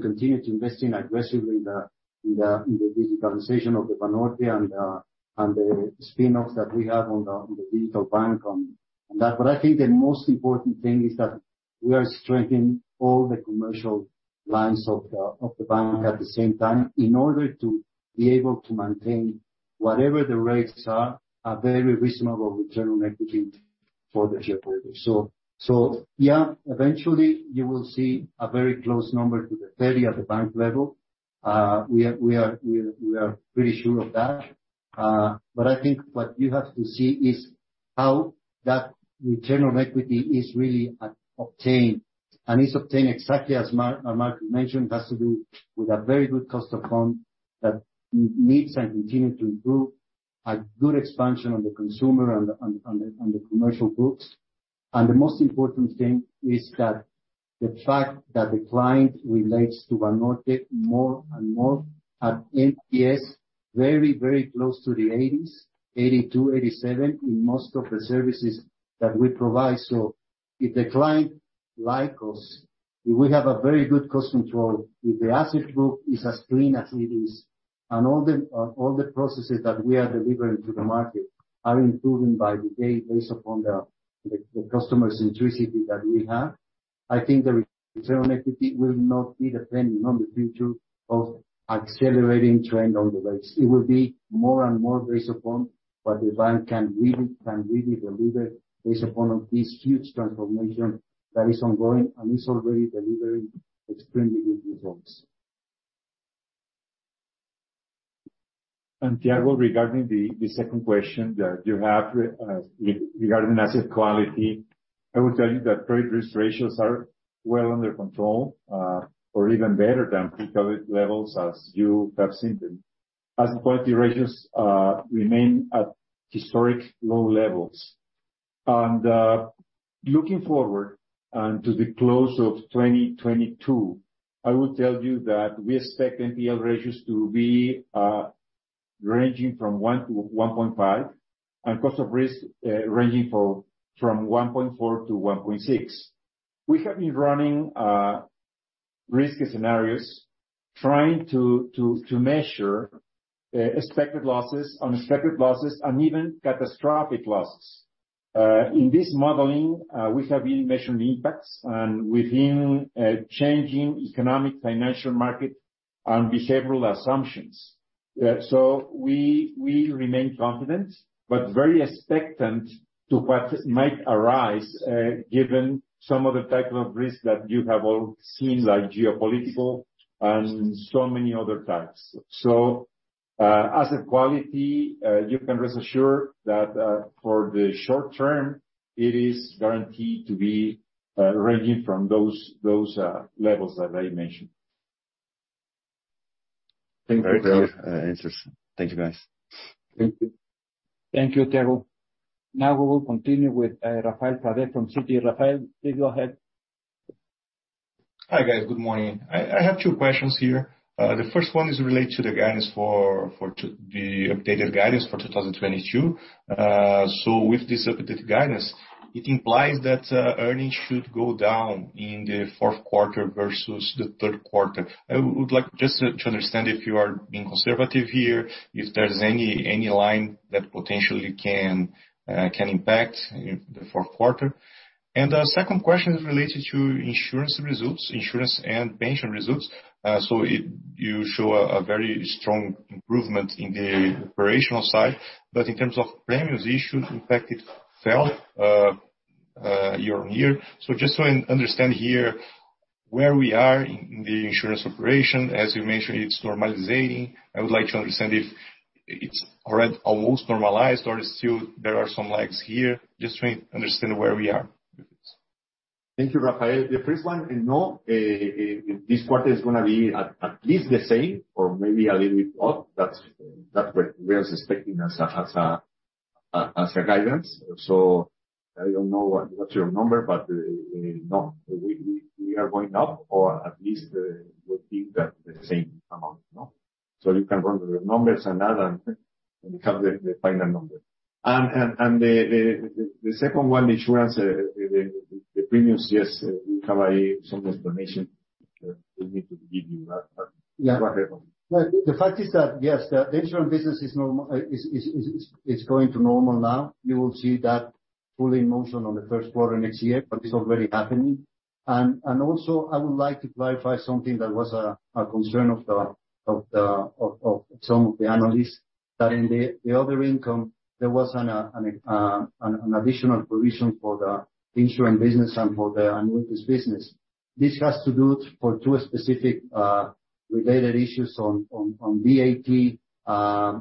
continuing to invest aggressively in the digitalization of the Banorte and the spin-offs that we have on the digital bank and that. But I think the most important thing is that we are strengthening all the commercial lines of the bank at the same time in order to be able to maintain whatever the rates are, a very reasonable return on equity for the shareholding. Yeah, eventually you will see a very close number to the 30% at the bank level. We are pretty sure of that. But I think what you have to see is how that return on equity is really obtained. It's obtained exactly as Marco mentioned, it has to do with a very good cost of fund that needs and continue to improve, a good expansion on the consumer and the commercial books. The most important thing is that the fact that the client relates to Banorte more and more at NPS, very, very close to the 80s, 82, 87, in most of the services that we provide. If the client like us, if we have a very good cost control, if the asset group is as clean as it is, and all the processes that we are delivering to the market are improving by the day based upon the customer centricity that we have, I think the return on equity will not be depending on the future of accelerating trend or the rates. It will be more and more based upon what the bank can really deliver based upon this huge transformation that is ongoing and is already delivering extremely good results. Thiago, regarding the second question that you have regarding the asset quality, I will tell you that credit risk ratios are well under control, or even better than pre-COVID levels as you have seen them. Asset quality ratios remain at historic low levels. Looking forward and to the close of 2022, I will tell you that we expect NPL ratios to be ranging from 1%-1.5%, and cost of risk ranging from 1.4%-1.6%. We have been running risky scenarios trying to measure expected losses, unexpected losses and even catastrophic losses. In this modeling, we have really measured impacts and within changing economic financial market and behavioral assumptions. We remain confident, but very expectant to what might arise, given some of the type of risks that you have all seen, like geopolitical and so many other types. Asset quality, you can rest assured that, for the short term, it is guaranteed to be ranging from those levels that I mentioned. Thank you. Very clear, answers. Thank you, guys. Thank you. Thank you, Thiago. Now we will continue with Rafael Frade from Citi. Rafael, please go ahead. Hi, guys. Good morning. I have two questions here. The first one is related to the guidance for the updated guidance for 2022. With this updated guidance, it implies that earnings should go down in the fourth quarter versus the third quarter. I would like just to understand if you are being conservative here, if there's any line that potentially can impact the fourth quarter. The second question is related to insurance results, insurance and pension results. You show a very strong improvement in the operational side, but in terms of premiums issued, in fact it fell year on year. Just to understand here where we are in the insurance operation. As you mentioned, it's normalizing. I would like to understand if it's already almost normalized or if there are still some lags here, just to understand where we are with this. Thank you, Rafael. The first one, no. This quarter is gonna be at least the same or maybe a little bit up. That's what we are expecting as a guidance. I don't know what's your number, but no, we are going up or at least we think that the same amount, no? You can run the numbers and add them, and you have the final number. The second one, the insurance premiums, yes, we have some explanation that we need to give you that. Go ahead, Rafael. Yeah. Well, the fact is that, yes, the insurance business is going to normal now. You will see that fully in motion on the first quarter next year, but it's already happening. I would like to clarify something that was a concern of some of the analysts, that in the other income, there was an additional provision for the insurance business and for the annuities business. This has to do for two specific related issues on VAT,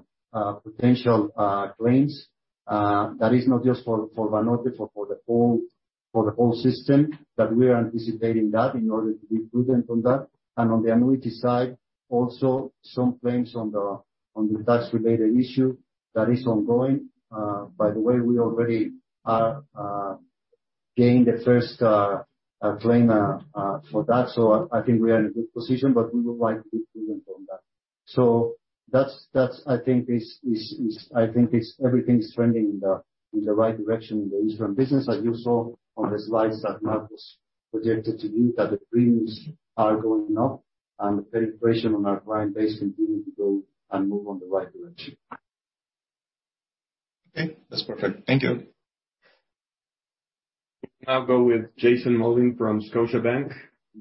potential claims, that is not just for Banorte, for the whole system, that we are anticipating that in order to be prudent on that. On the annuity side, also some claims on the tax related issue that is ongoing. By the way, we have already gained the first claim for that. I think we are in a good position, but we would like to be prudent on that. That's I think everything is trending in the right direction in the insurance business as you saw on the slides that Marco's projected to you that the premiums are going up and the penetration on our client base continue to go and move on the right direction. Okay, that's perfect. Thank you. We can now go with Jason Mollin from Scotiabank.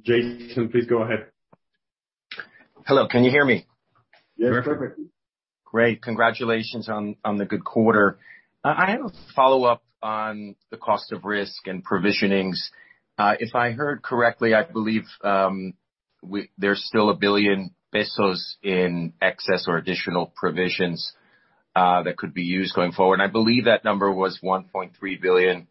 Jason, please go ahead. Hello, can you hear me? Yes, perfectly. Great. Congratulations on the good quarter. I have a follow-up on the cost of risk and provisions. If I heard correctly, I believe there's still 1 billion pesos in excess or additional provisions that could be used going forward. I believe that number was 1.3 billion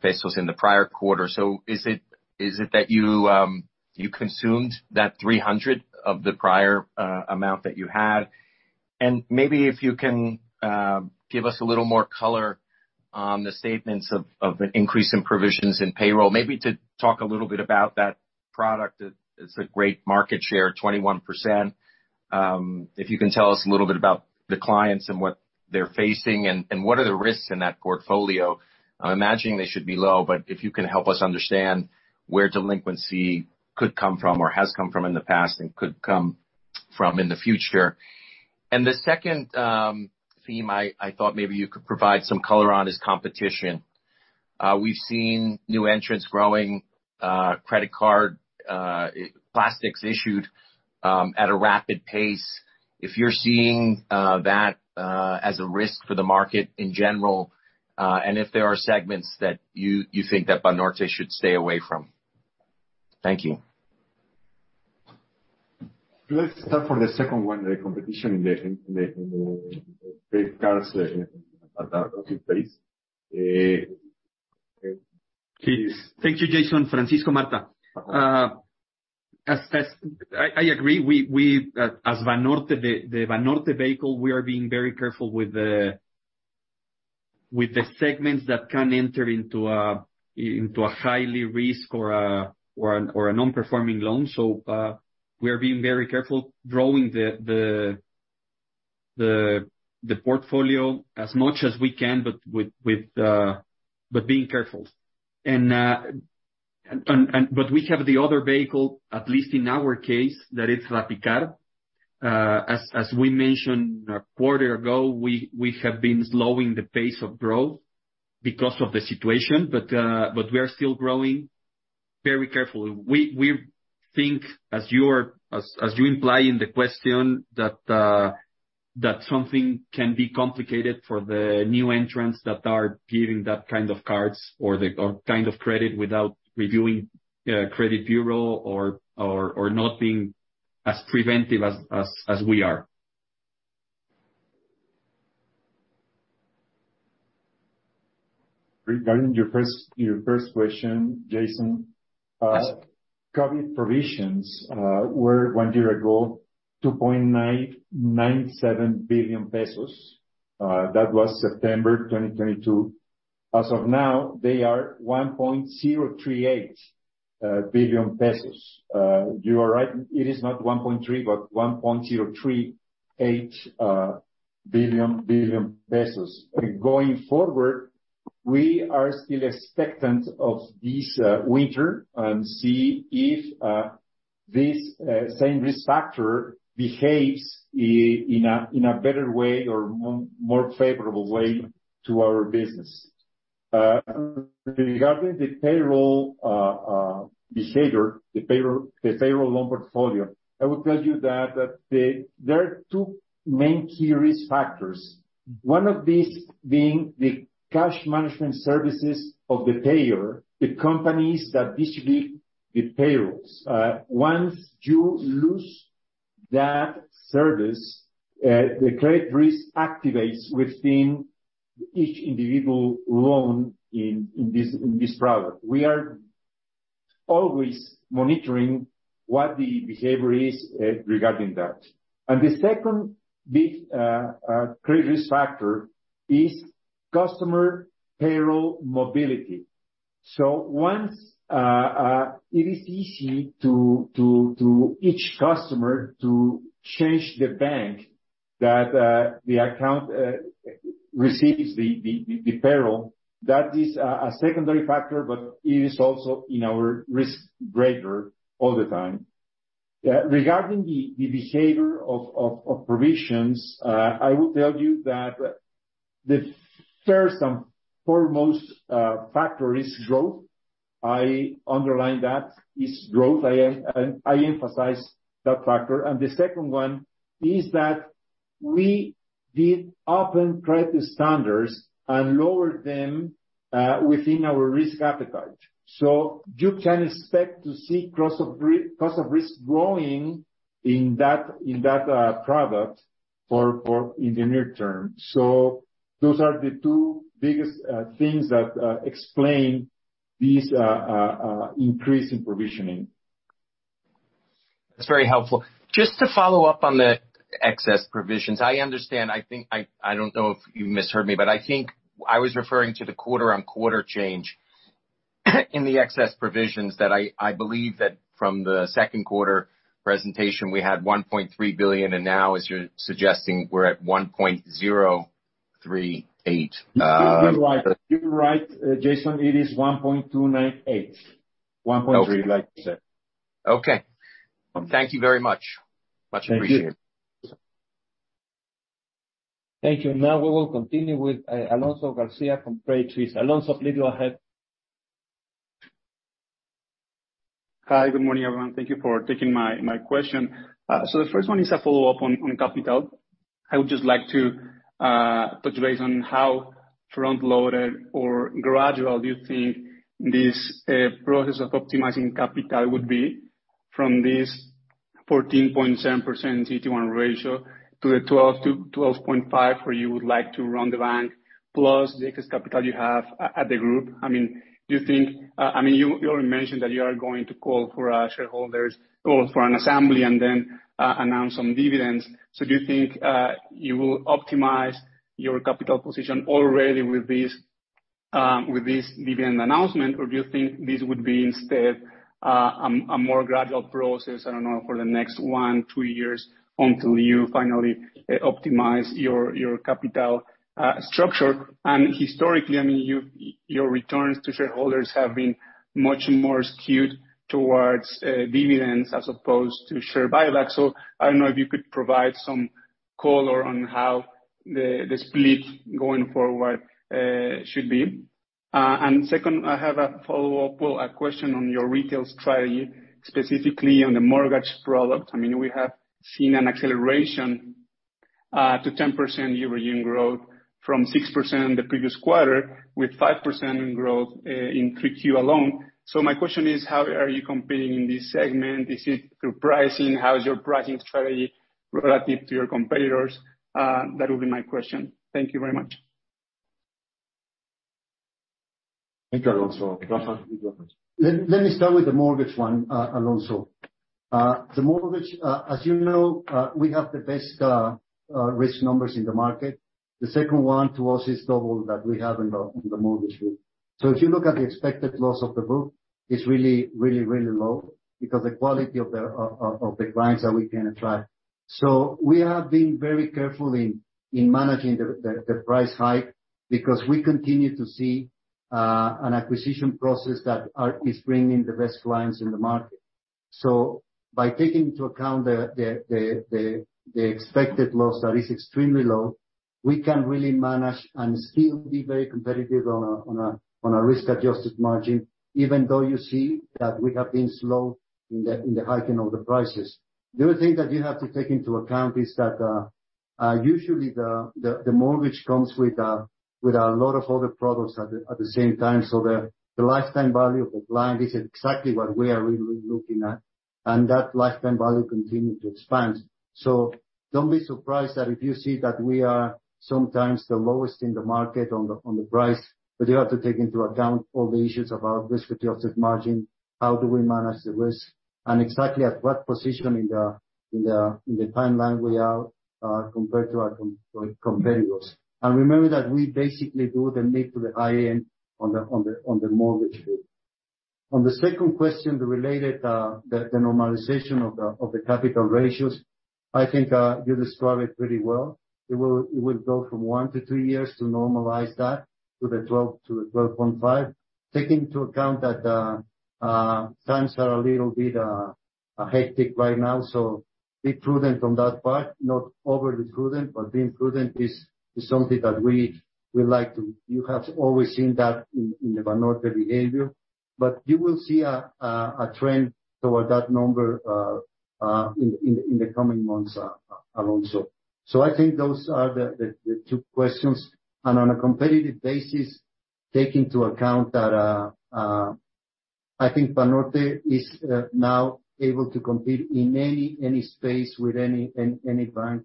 pesos in the prior quarter. Is it that you consumed that 300 of the prior amount that you had? Maybe if you can give us a little more color on the statements of an increase in provisions and payroll, maybe to talk a little bit about that product. It's a great market share, 21%. If you can tell us a little bit about the clients and what they're facing and what are the risks in that portfolio. I'm imagining they should be low, but if you can help us understand where delinquency could come from or has come from in the past and could come from in the future? The second theme I thought maybe you could provide some color on is competition. We've seen new entrants growing, credit card plastics issued, at a rapid pace. If you're seeing that as a risk for the market in general, and if there are segments that you think that Banorte should stay away from? Thank you. Let's start from the second one, the competition in the credit cards in space. Please. Thank you, Jason. José Francisco Martha González. I agree, as Banorte, the Banorte vehicle, we are being very careful with the segments that can enter into a high-risk or a non-performing loan. We are being very careful growing the portfolio as much as we can, but being careful. We have the other vehicle, at least in our case, that is RappiCard. As we mentioned a quarter ago, we have been slowing the pace of growth because of the situation, but we are still growing very carefully. We think as you imply in the question that something can be complicated for the new entrants that are giving that kind of cards or kind of credit without reviewing credit bureau or not being as preventive as we are. Regarding your first question, Jason. Yes. COVID provisions were one year ago, 2.997 billion pesos. That was September 2022. As of now, they are 1.038 billion pesos. You are right, it is not 1.3, but 1.038 billion. Going forward, we are still expectant of this winter and see if this same risk factor behaves in a better way or more favorable way to our business. Regarding the payroll behavior, the payroll loan portfolio, I will tell you that there are two main key risk factors. One of these being the cash management services of the payer, the companies that distribute the payrolls. Once you lose that service, the credit risk activates within each individual loan in this product. We are always monitoring what the behavior is regarding that. The second big credit risk factor is customer payroll mobility. Once it is easy to each customer to change the bank that the account receives the payroll. That is a secondary factor, but it is also in our risk radar all the time. Regarding the behavior of provisions, I will tell you that the first and foremost factor is growth. I underline that is growth. I emphasize that factor. The second one is that we did open credit standards and lowered them within our risk appetite. You can expect to see cost of risk growing in that product in the near term. Those are the two biggest things that explain this increase in provisioning. That's very helpful. Just to follow up on the excess provisions. I understand, I think, I don't know if you misheard me, but I think I was referring to the quarter-on-quarter change in the excess provisions that I believe that from the second quarter presentation, we had 1.3 billion, and now as you're suggesting, we're at 1.038 billion. You, you're right. You're right, Jason, it is 1.298. 1.3 like you said. Okay. Thank you very much. Much appreciated. *crosstalk* Thank you. Now we will continue with Alonso Garcia from Credit Suisse. Alonso, go ahead. Hi, good morning, everyone. Thank you for taking my question. The first one is a follow-up on capital. I would just like to touch base on how front-loaded or gradual do you think this process of optimizing capital would be from this 14.7% CET1 ratio to the 12%-12.5% where you would like to run the bank, plus the excess capital you have at the group? I mean, do you think you already mentioned that you are going to call for our shareholders or for an assembly and then announce some dividends. Do you think you will optimize your capital position already with this dividend announcement? Do you think this would be instead a more gradual process, I don't know, for the next 1, 2 years until you finally optimize your capital structure? Historically, I mean, your returns to shareholders have been much more skewed towards dividends as opposed to share buyback. I don't know if you could provide some color on how the split going forward should be. Second, I have a follow-up, well, a question on your retail strategy, specifically on the mortgage product. I mean, we have seen an acceleration to 10% year-over-year growth from 6% the previous quarter, with 5% in growth in 3Q alone. My question is, how are you competing in this segment? Is it through pricing? How is your pricing strategy relative to your competitors? That would be my question. Thank you very much. Thank you, Alonso. Rafa, do you want to- Let me start with the mortgage one, Alonso. The mortgage, as you know, we have the best risk numbers in the market. The second one to us is double that we have in the mortgage group. If you look at the expected loss of the book, it's really low because the quality of the clients that we can attract. We have been very careful in managing the price hike because we continue to see an acquisition process that is bringing the best clients in the market. By taking into account the expected loss that is extremely low, we can really manage and still be very competitive on a risk-adjusted margin, even though you see that we have been slow in the hiking of the prices. The other thing that you have to take into account is that usually the mortgage comes with a lot of other products at the same time. The lifetime value of the client is exactly what we are really looking at, and that lifetime value continue to expand. Don't be surprised if you see that we are sometimes the lowest in the market on the price, but you have to take into account all the issues about risk-adjusted margin, how we manage the risk, and exactly at what position in the timeline we are compared to our competitors. Remember that we basically cater to the high end on the mortgage group. On the second question, the normalization of the capital ratios, I think you described it pretty well. It will go from one to two years to normalize that to 12%-12.5%. Take into account that times are a little bit hectic right now, so be prudent on that front. Not overly prudent, but being prudent is something that we like to. You have always seen that in the Banorte behavior. You will see a trend toward that number in the coming months, Alonso. I think those are the two questions. On a competitive basis, take into account that I think Banorte is now able to compete in any space with any bank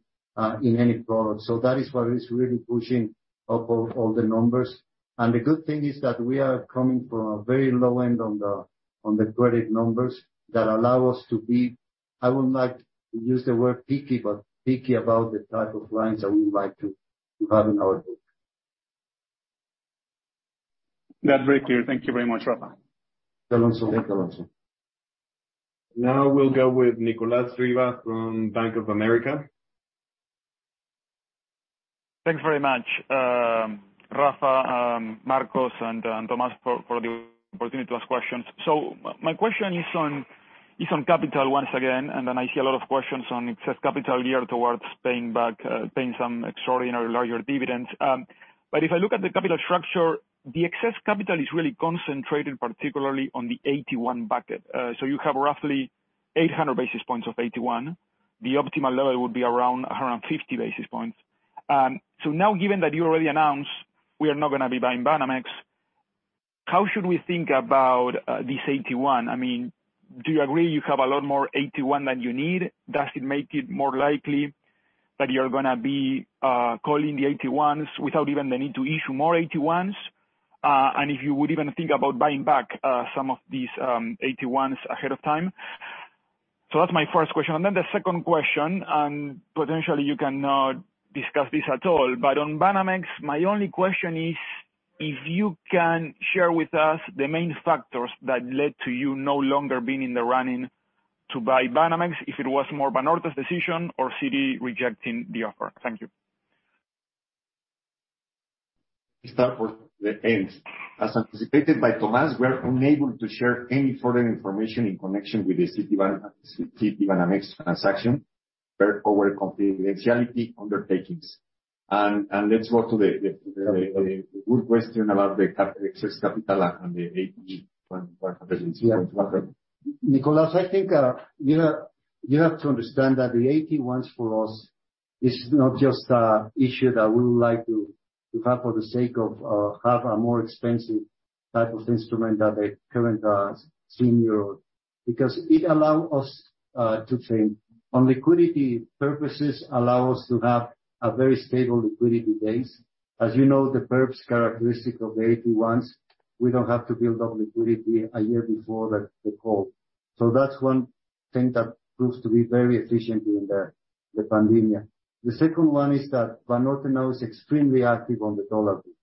in any product. That is what is really pushing up all the numbers. The good thing is that we are coming from a very low end on the credit numbers that allow us to be, I would not use the word picky, but picky about the type of clients that we would like to have in our book. That's very clear. Thank you very much, Rafa. Thank you, Alonso. Now we'll go with Nicolas Riva from Bank of America. Thanks very much, Rafa, Marcos, and Tomas for the opportunity to ask questions. My question is on capital once again, and then I see a lot of questions on excess capital, yeah, towards paying some extraordinary larger dividends. If I look at the capital structure, the excess capital is really concentrated, particularly on the AT1 bucket. You have roughly 800 basis points of AT1. The optimal level would be around 150 basis points. Now, given that you already announced we are not gonna be buying Banamex, how should we think about this AT1? I mean, do you agree you have a lot more AT1 than you need? Does it make it more likely that you're gonna be calling the AT1s without even the need to issue more AT1s? If you would even think about buying back some of these AT1s ahead of time. That's my first question. Then the second question, and potentially you cannot discuss this at all, but on Banamex, my only question is if you can share with us the main factors that led to you no longer being in the running to buy Banamex, if it was more Banorte's decision or Citi rejecting the offer. Thank you. Start with the end. As anticipated by Tomas, we are unable to share any further information in connection with the Citibanamex transaction per our confidentiality undertakings. Let's go to the good question about the excess capital and the AT1 representation. Yeah. Nicolás, I think you have to understand that the AT1s for us is not just an issue that we would like to have for the sake of have a more expensive type of instrument than the current senior. Because it allow us to think on liquidity purposes, allow us to have a very stable liquidity base. As you know, the perks characteristic of the AT1s, we don't have to build up liquidity a year before the call. So that's one thing that proves to be very efficient in the pandemic. The second one is that Banorte now is extremely active on the dollar bond.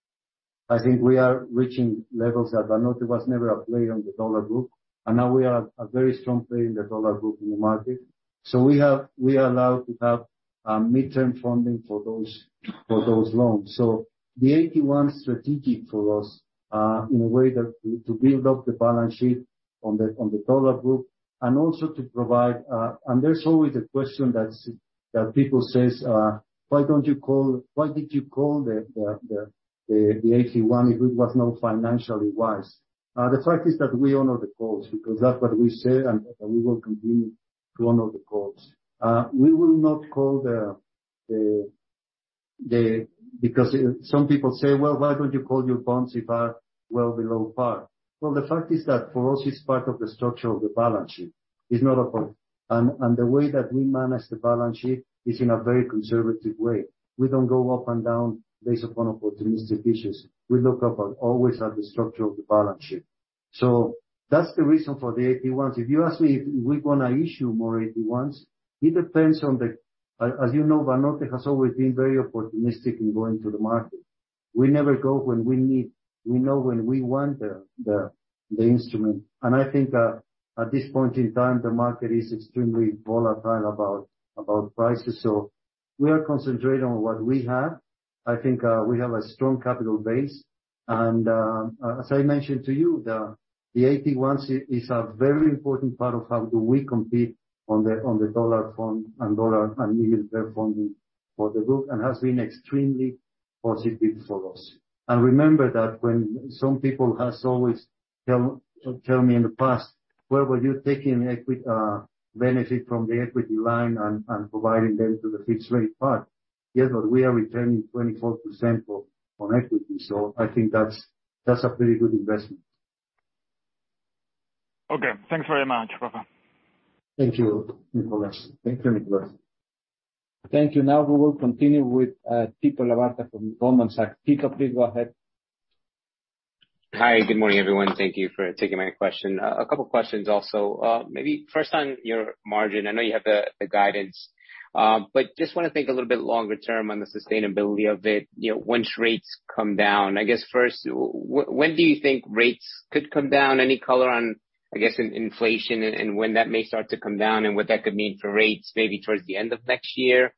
I think we are reaching levels that Banorte was never a player on the dollar bond, and now we are a very strong player in the dollar bond in the market. We are allowed to have midterm funding for those loans. The AT1 is strategic for us in a way to build up the balance sheet on the dollar group and also to provide. There's always a question that people say, "Why did you call the AT1 if it was not financially wise?" The fact is that we honor the calls, because that's what we say, and we will continue to honor the calls. We will not call the. Some people say, "Well, why don't you call your bonds if they are well below par?" The fact is that for us, it's part of the structure of the balance sheet. It's not a problem. The way that we manage the balance sheet is in a very conservative way. We don't go up and down based upon opportunistic issues. We always look at the structure of the balance sheet. That's the reason for the AT1s. If you ask me if we're gonna issue more AT1s, it depends on the. As you know, Banorte has always been very opportunistic in going to the market. We never go when we need. We know when we want the instrument. I think at this point in time, the market is extremely volatile about prices. We are concentrating on what we have. I think we have a strong capital base. As I mentioned to you, the AT1s is a very important part of how do we compete on the dollar funding and dollar yield funding for the group and has been extremely positive for us. Remember that when some people has always tell me in the past, "Well, were you taking equity benefit from the equity line and providing them to the fixed rate part?" Yes, but we are returning 24% on equity, so I think that's a pretty good investment. Okay. Thanks very much, Rafa. Thank you, Nicolas. Thanks very much. Thank you. Now we will continue with Tito Labarta from Goldman Sachs. Tito, please go ahead. Hi, good morning, everyone. Thank you for taking my question. A couple questions also. Maybe first on your margin. I know you have the guidance, but just wanna think a little bit longer term on the sustainability of it, you know, once rates come down. I guess first, when do you think rates could come down? Any color on, I guess, in inflation and when that may start to come down and what that could mean for rates maybe towards the end of next year?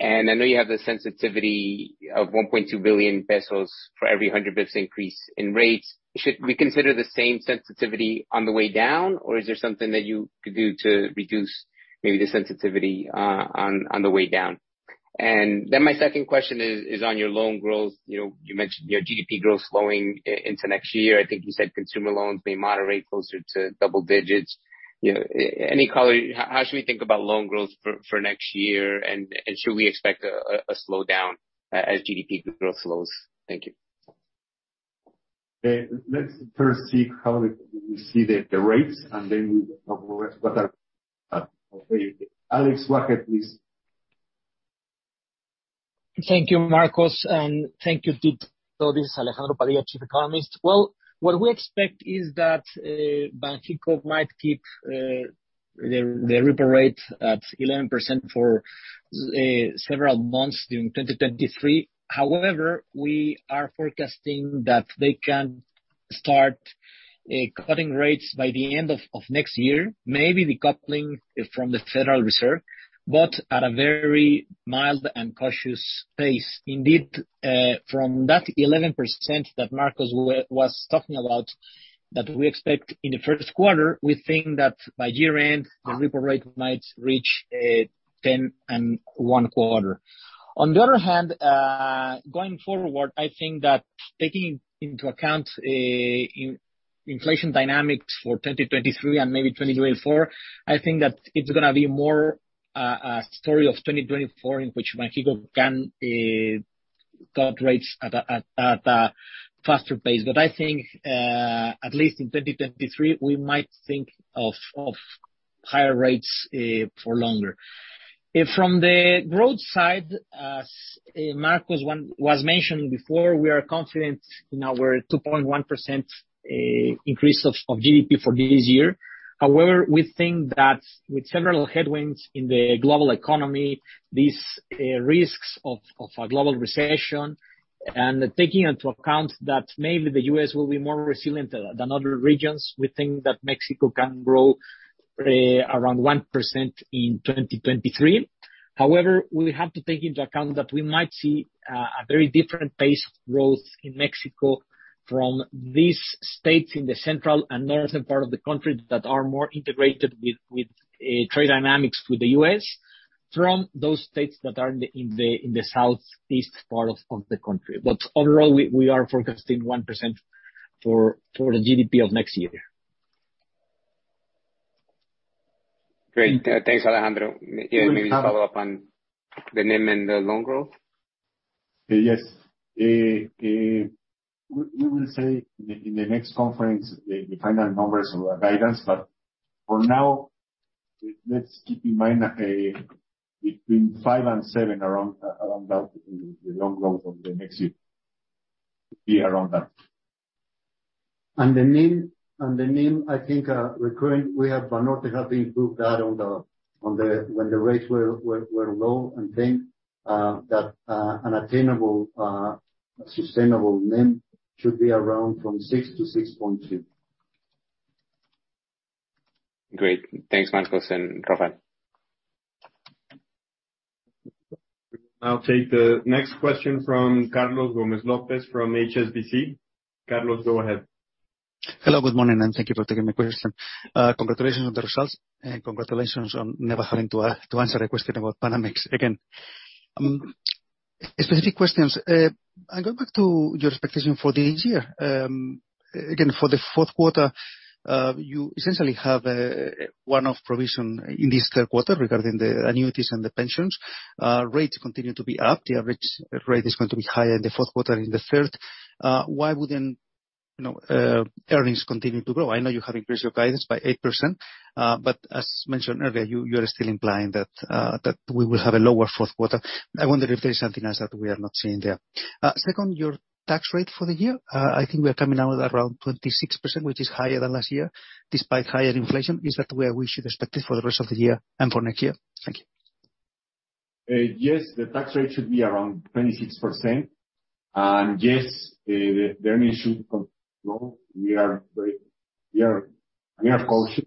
I know you have the sensitivity of 1.2 billion pesos for every 100 basis points increase in rates. Should we consider the same sensitivity on the way down, or is there something that you could do to reduce maybe the sensitivity on the way down? My second question is on your loan growth. You know, you mentioned your GDP growth slowing into next year. I think you said consumer loans may moderate closer to double digits. You know, any color, how should we think about loan growth for next year? Should we expect a slowdown as GDP growth slows? Thank you. Let's first see how we see the rates, and then we'll Okay. Alex, go ahead, please. Thank you, Marcos. Thank you, Tito. This is Alejandro Padilla, Chief Economist. Well, what we expect is that Banxico might keep their repo rate at 11% for several months during 2023. However, we are forecasting that they can start cutting rates by the end of next year, maybe decoupling from the Federal Reserve, but at a very mild and cautious pace. Indeed, from that 11% that Marcos was talking about, that we expect in the first quarter, we think that by year-end the repo rate might reach 10.25. On the other hand, going forward, I think that taking into account inflation dynamics for 2023 and maybe 2024, I think that it's gonna be more a story of 2024 in which Banxico can cut rates at a faster pace. I think, at least in 2023, we might think of higher rates for longer. From the growth side, as Marcos was mentioning before, we are confident in our 2.1% increase of GDP for this year. However, we think that with several headwinds in the global economy, these risks of a global recession, and taking into account that maybe the U.S. will be more resilient than other regions, we think that Mexico can grow. Around 1% in 2023. However, we have to take into account that we might see a very different pace of growth in Mexico from these states in the central and northern part of the country that are more integrated with trade dynamics with the U.S. from those states that are in the southeast part of the country. Overall, we are forecasting 1% for the GDP of next year. Great. Thanks, Alejandro. You're welcome. Can you maybe follow up on the NIM and the loan growth? Yes. We will say in the next conference the final numbers of our guidance, but for now, let's keep in mind that between 5%-7% around that will be the loan growth of the next year. Around that. The NIM, I think, recurring we have improved that on the when the rates were low. I think that an attainable sustainable NIM should be around from 6%-6.2%. Great. Thanks, Marcos and Rafael. I'll take the next question from Carlos Gomez-Lopez from HSBC. Carlos, go ahead. Hello, good morning, and thank you for taking my question. Congratulations on the results, and congratulations on never having to answer a question about Banamex again. Specific questions. Going back to your expectation for this year. Again, for the fourth quarter, you essentially have a one-off provision in this third quarter regarding the annuities and the pensions. Rates continue to be up. The average rate is going to be higher in the fourth quarter than the third. Why wouldn't, you know, earnings continue to grow? I know you have increased your guidance by 8%, but as mentioned earlier, you are still implying that we will have a lower fourth quarter. I wonder if there is something else that we are not seeing there. Second, your tax rate for the year. I think we are coming out at around 26%, which is higher than last year despite higher inflation. Is that where we should expect it for the rest of the year and for next year? Thank you. Yes, the tax rate should be around 26%. Yes, the earnings should grow. We are cautious.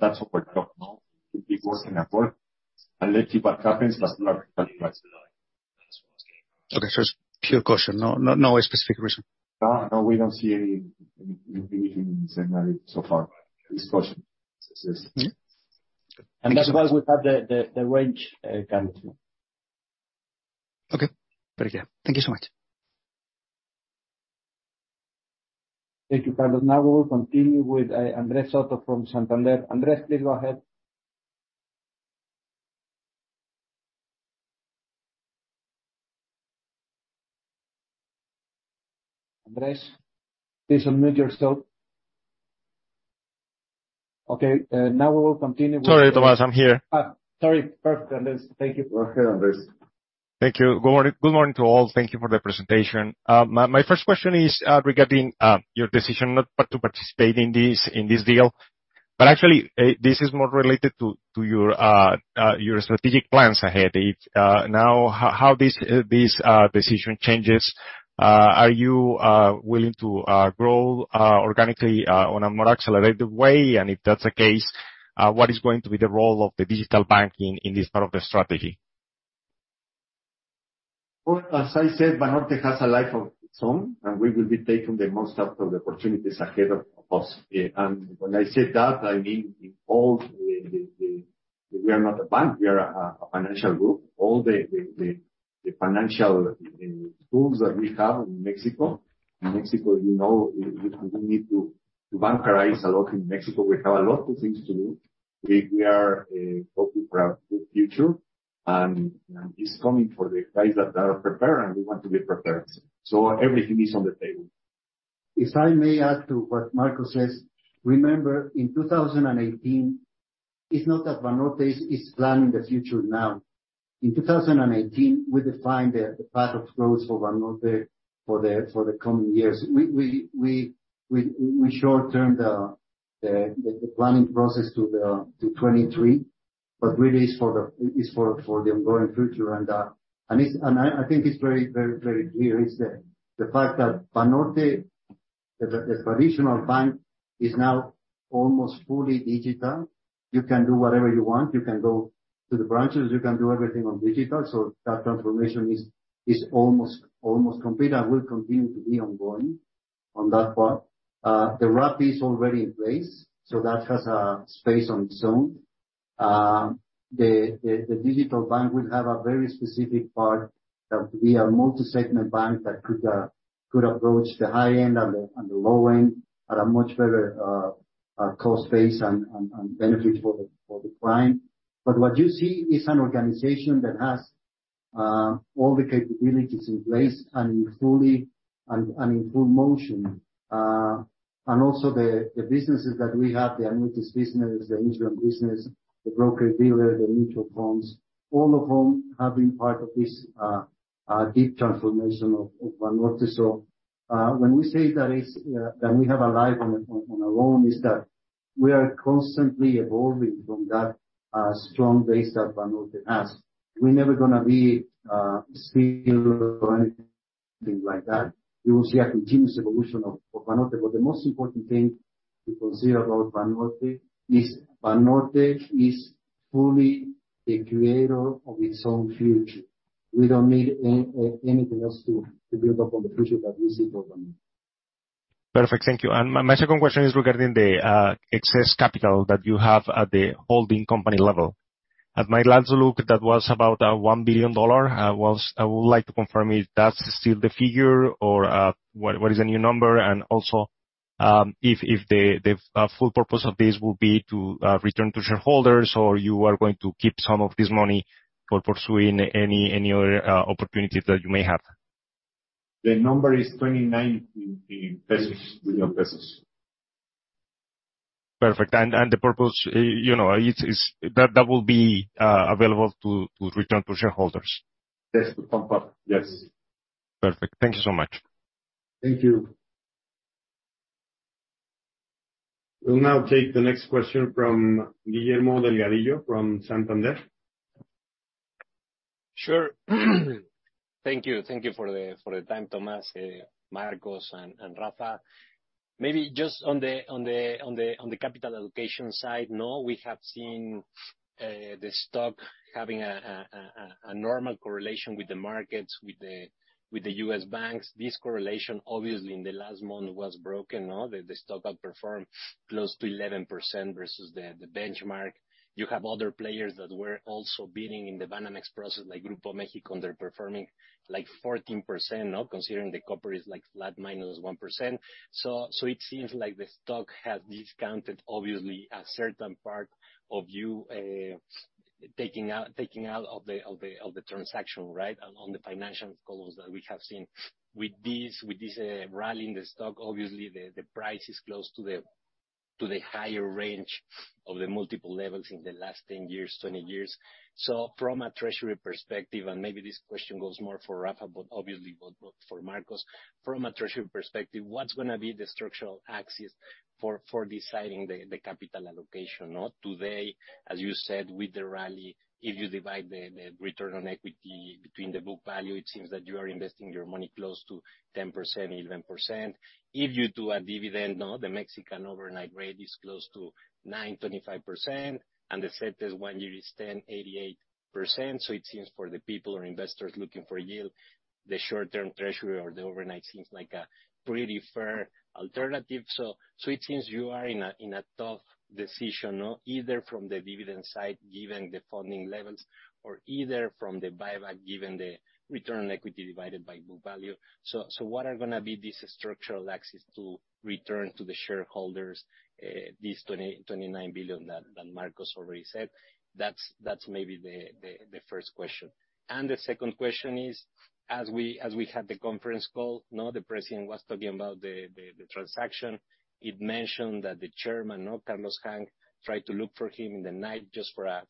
That's our job, no? To keep working hard and let's see what happens, but not. Okay. It's pure caution. No specific reason. No, we don't see anything in scenario so far. It's caution. Okay. As well as we have the range, Carlos. Okay. Very clear. Thank you so much. Thank you, Carlos. Now we will continue with Andres Soto from Santander. Andres, please go ahead. Andres, please unmute yourself. Okay. Sorry, Tomas, I'm here. Sorry. Perfect, Andres. Thank you. Okay, Andres. Thank you. Good morning to all. Thank you for the presentation. My first question is regarding your decision not to participate in this deal. Actually, this is more related to your strategic plans ahead. If now, how this decision changes, are you willing to grow organically on a more accelerated way? If that's the case, what is going to be the role of the digital banking in this part of the strategy? Well, as I said, Banorte has a life of its own, and we will be taking the most out of the opportunities ahead of us. When I say that, I mean in all the. We are not a bank. We are a financial group. All the financial tools that we have in Mexico. In Mexico, you know, we need to bankarize a lot in Mexico. We have a lot of things to do. We are hoping for a good future. It's coming for the guys that are prepared, and we want to be prepared. Everything is on the table. If I may add to what Marcos says. Remember, in 2018, it's not that Banorte is planning the future now. In 2018, we defined the path of growth for Banorte for the coming years. We shortened the planning process to 2023, but really it's for the ongoing future and I think it's very clear, the fact that Banorte, the traditional bank, is now almost fully digital. You can do whatever you want. You can go to the branches, you can do everything on digital. So that transformation is almost complete and will continue to be ongoing on that part. The app is already in place, so that has a space on its own. The digital bank will have a very specific part that we are multi-segment bank that could approach the high end and the low end at a much better cost base and benefit for the client. What you see is an organization that has all the capabilities in place and in full motion. Also the businesses that we have, the annuities business, the insurance business, the broker-dealer, the mutual funds, all of whom have been part of this deep transformation of Banorte. When we say that it's that we have a life on our own, is that we are constantly evolving from that strong base that Banorte has. We're never gonna be still or anything. Things like that. You will see a continuous evolution of Banorte. The most important thing to consider about Banorte is Banorte is fully the creator of its own future. We don't need anything else to build up on the future that we see for Banorte. Perfect. Thank you. My second question is regarding the excess capital that you have at the holding company level. At my last look, that was about $1 billion. I would like to confirm if that's still the figure or what is the new number? If the full purpose of this will be to return to shareholders, or you are going to keep some of this money for pursuing any other opportunities that you may have. The number is 29 million pesos. Perfect. The purpose, you know, it's that will be available to return to shareholders. Yes, to pump up. Yes. Perfect. Thank you so much. Thank you. We'll now take the next question from Guillermo Delgado from Santander. Sure. Thank you. Thank you for the time, Tomas, Marcos, and Rafa. Maybe just on the capital allocation side, no, we have seen the stock having a normal correlation with the markets, with the U.S. banks. This correlation, obviously in the last month was broken, no? The stock outperformed close to 11% versus the benchmark. You have other players that were also bidding in the Banamex process, like Grupo México, they're performing like 14%, no, considering the copper is like flat -1%. So it seems like the stock has discounted obviously a certain part of you taking out of the transaction, right, on the financial calls that we have seen. With this rally in the stock, obviously the price is close to the higher range of the multiple levels in the last 10 years, 20 years. From a treasury perspective, and maybe this question goes more for Rafa, but obviously both for Marcos. From a treasury perspective, what's gonna be the structural axis for deciding the capital allocation, no? Today, as you said, with the rally, if you divide the return on equity between the book value, it seems that you are investing your money close to 10%, 11%. If you do a dividend, no, the Mexican overnight rate is close to 9.25%, and the 1-year is 10.88%. It seems for the people or investors looking for yield, the short-term treasury or the overnight seems like a pretty fair alternative. It seems you are in a tough decision, no? Either from the dividend side, given the funding levels, or either from the buyback, given the return on equity divided by book value. What are gonna be the structural axis to return to the shareholders this 29 billion that Marcos already said? That's maybe the first question. The second question is, as we had the conference call, the president was talking about the transaction. It mentioned that the chairman, Carlos Hank, tried to look for him in the night just for a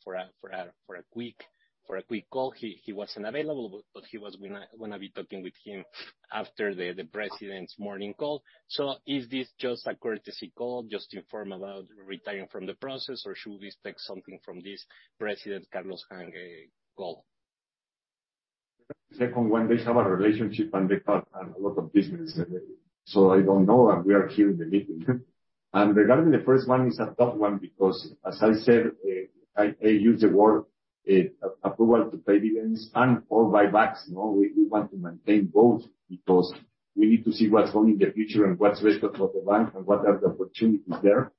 quick call. He wasn't available, but he was gonna be talking with him after the president's morning call. Is this just a courtesy call, just inform about retiring from the process, or should we take something from this President Carlos Hank González call? Second one, they have a relationship and they talk on a lot of business. I don't know, and we are here in the meeting. Regarding the first one, it's a tough one because as I said, I use the word approval to pay dividends and/or buybacks, no? We want to maintain both because we need to see what's coming in the future and what's left of the bank and what are the opportunities there.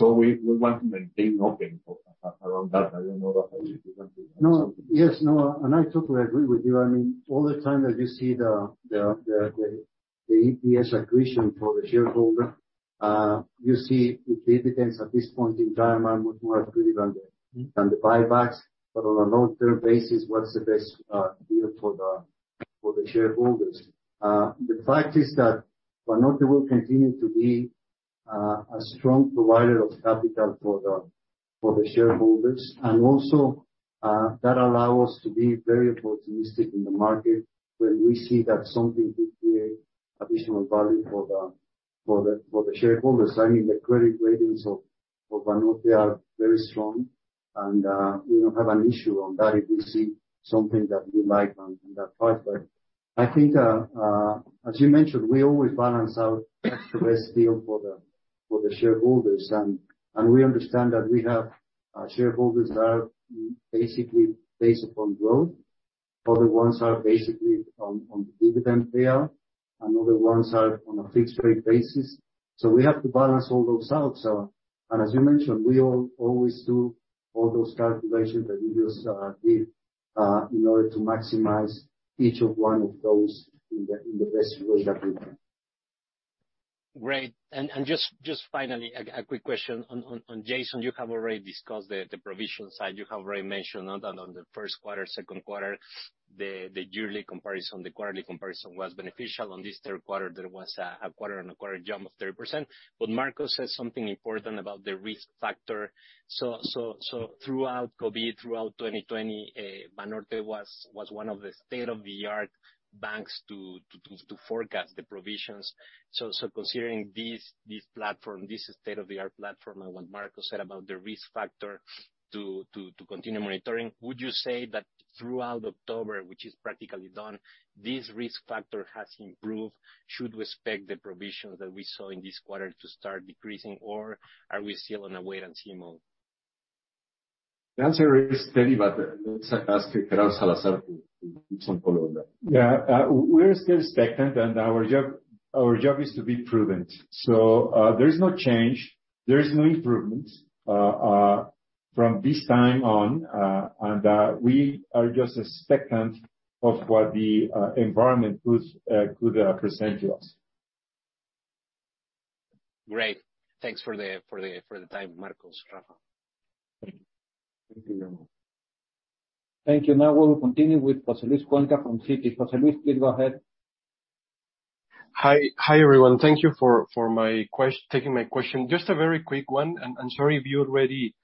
We want to maintain open for around that. I don't know that. No. Yes, no, and I totally agree with you. I mean, all the time that you see the EPS accretion for the shareholder, you see the dividends at this point in time are much more accretive than the Mm-hmm... than the buybacks. On a long-term basis, what's the best deal for the shareholders? The fact is that Banorte will continue to be a strong provider of capital for the shareholders. Also, that allow us to be very opportunistic in the market when we see that something could create additional value for the shareholders. I mean, the credit ratings of Banorte are very strong and we don't have an issue on that if we see something that we like on that part. I think, as you mentioned, we always balance out what's the best deal for the shareholders. We understand that we have shareholders that are basically based upon growth. Other ones are basically on dividend payout, and other ones are on a fixed rate basis. We have to balance all those out. As you mentioned, we always do all those calculations that you just did in order to maximize each of one of those in the best way that we can. Great. Just finally, a quick question. On Jason, you have already discussed the provision side. You have already mentioned on the first quarter, second quarter, the yearly comparison, the quarterly comparison was beneficial. On this third quarter, there was a quarter-on-quarter jump of 30%. Marcos said something important about the risk factor. So throughout COVID, throughout 2020, Banorte was one of the state-of-the-art banks to forecast the provisions. So considering this platform, this state-of-the-art platform and what Marcos said about the risk factor to continue monitoring, would you say that throughout October, which is practically done, this risk factor has improved? Should we expect the provisions that we saw in this quarter to start decreasing, or are we still in a wait-and-see mode? The answer is steady, but let's ask Carlos Salazar to give some color on that. Yeah, we're still expectant, and our job is to be prudent. There's no change, there is no improvement from this time on, and we are just expectant of what the environment could present to us. Great. Thanks for the time, Marcos, Rafael. Thank you. Thank you. Now we will continue with Vasilis Tzakos from Citi. Vasilis, please go ahead. Hi. Hi, everyone. Thank you for taking my question. Just a very quick one. I'm sorry if you already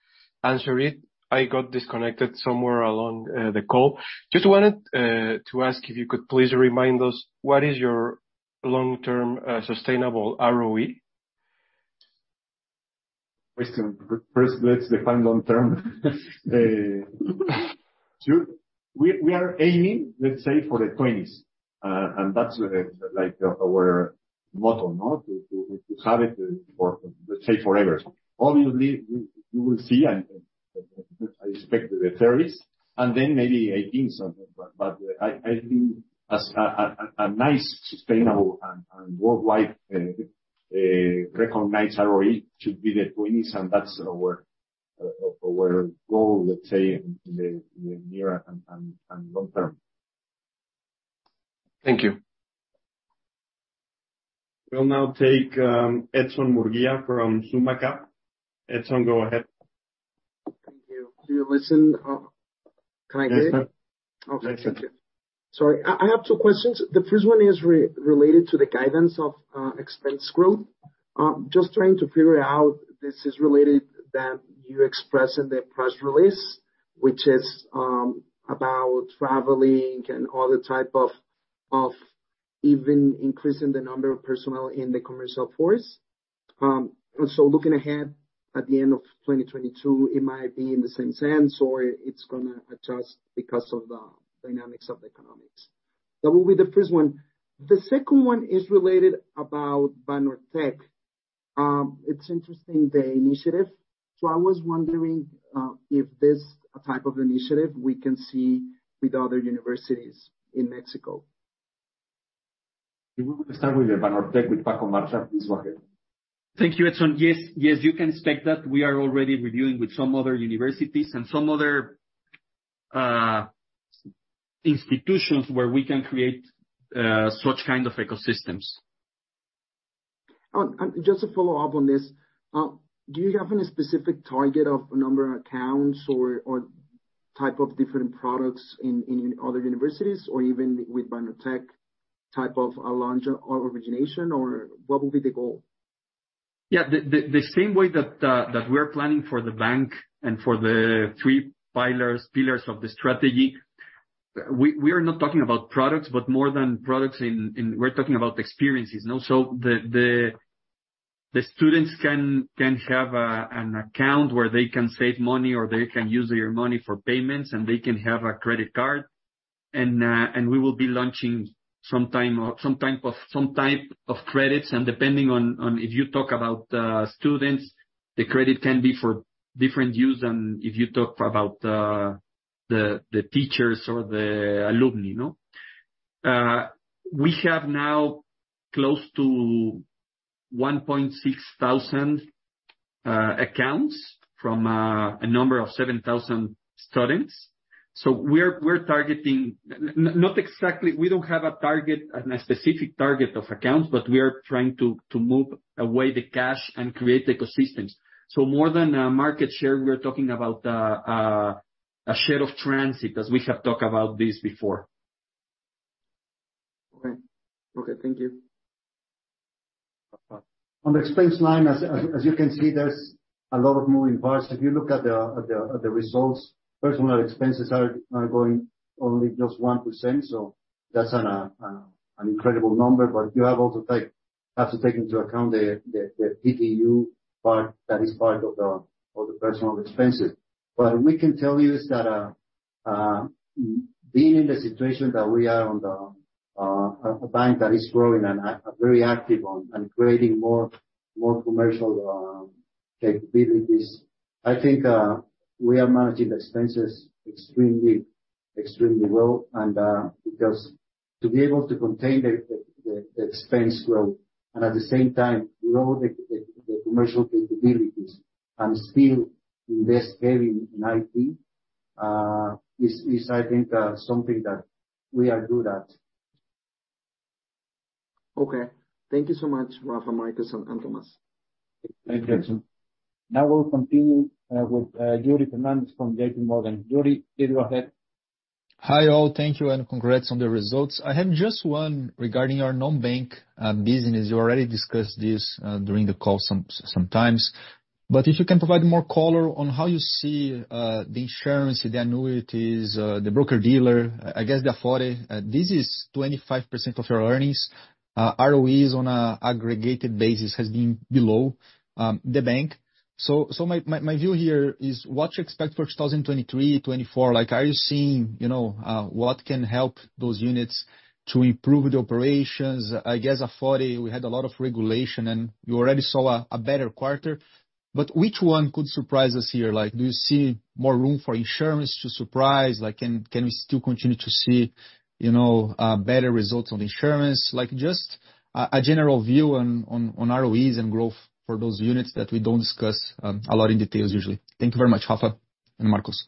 answered it. I got disconnected somewhere along the call. Just wanted to ask if you could please remind us what is your long-term sustainable ROE? First, let's define long-term. We are aiming, let's say, for the 20s, and that's, like, our motto, no? To have it for, let's say, forever. Obviously, we will see and I expect the 30s, and then maybe 18 something. I think as a nice, sustainable, and worldwide recognized ROE should be the 20s, and that's our goal, let's say, in the near and long term. Thank you. We'll now take, Edson Murguia from SummaCap. Edson, go ahead. Thank you. Do you listen? Can I hear? Yes, sir. Okay. Sorry. I have two questions. The first one is related to the guidance of expense growth. Just trying to figure out this related that you expressed in the press release, which is about traveling and other types of or even increasing the number of personnel in the commercial force. Looking ahead at the end of 2022, it might be in the same sense or it's gonna adjust because of the dynamics of the economy. That will be the first one. The second one is related about BanorTec. It's interesting, the initiative, so I was wondering if this type of initiative we can see with other universities in Mexico. We will start with the BanorTec with Paco Mariscal. Please go ahead. Thank you, Edson. Yes. Yes, you can expect that. We are already reviewing with some other universities and some other institutions where we can create such kind of ecosystems. Just to follow up on this, do you have any specific target of number of accounts or type of different products in other universities or even with BanorTec type of a launch or origination, or what would be the goal? The same way that we are planning for the bank and for the three pillars of the strategy, we are not talking about products, but more than products. We're talking about experiences, you know? The students can have an account where they can save money, or they can use their money for payments, and they can have a credit card. We will be launching some type of credits. Depending on if you talk about students, the credit can be for different use than if you talk about the teachers or the alumni, you know? We have now close to 1,600 accounts from a number of 7,000 students. We're targeting. Not exactly, we don't have a target, a specific target of accounts, but we are trying to move away from the cash and create ecosystems. More than a market share, we are talking about a share of transit as we have talked about this before. Okay, thank you. On the expense line, as you can see, there's a lot of moving parts. If you look at the results, personal expenses are going only just 1%, so that's an incredible number. You have to take into account the PTU part that is part of the personal expenses. What we can tell you is that, being in the situation that we are, a bank that is growing and very active and creating more commercial capabilities, I think, we are managing the expenses extremely well. Because to be able to contain the expense growth and at the same time grow the commercial capabilities and still invest heavy in IT, is, I think, something that we are good at. Okay. Thank you so much, Rafa, Marcos, and Tomas. Thank you, Edson. Now we'll continue with Yuri Fernandes from JPMorgan. Yuri, carry on ahead. Hi, all. Thank you, and congrats on the results. I have just one regarding your non-bank business. You already discussed this during the call sometimes, but if you can provide more color on how you see the insurance, the annuities, the broker-dealer, I guess the Afore. This is 25% of your earnings. ROEs on an aggregated basis has been below the bank. My view here is what you expect for 2023, 2024, like, are you seeing, you know, what can help those units to improve the operations? I guess Afore, we had a lot of regulation, and you already saw a better quarter. Which one could surprise us here? Like, do you see more room for insurance to surprise? Like, can we still continue to see, you know, better results on the insurance? Like, just a general view on ROEs and growth for those units that we don't discuss a lot in details usually. Thank you very much, Rafa and Marcos.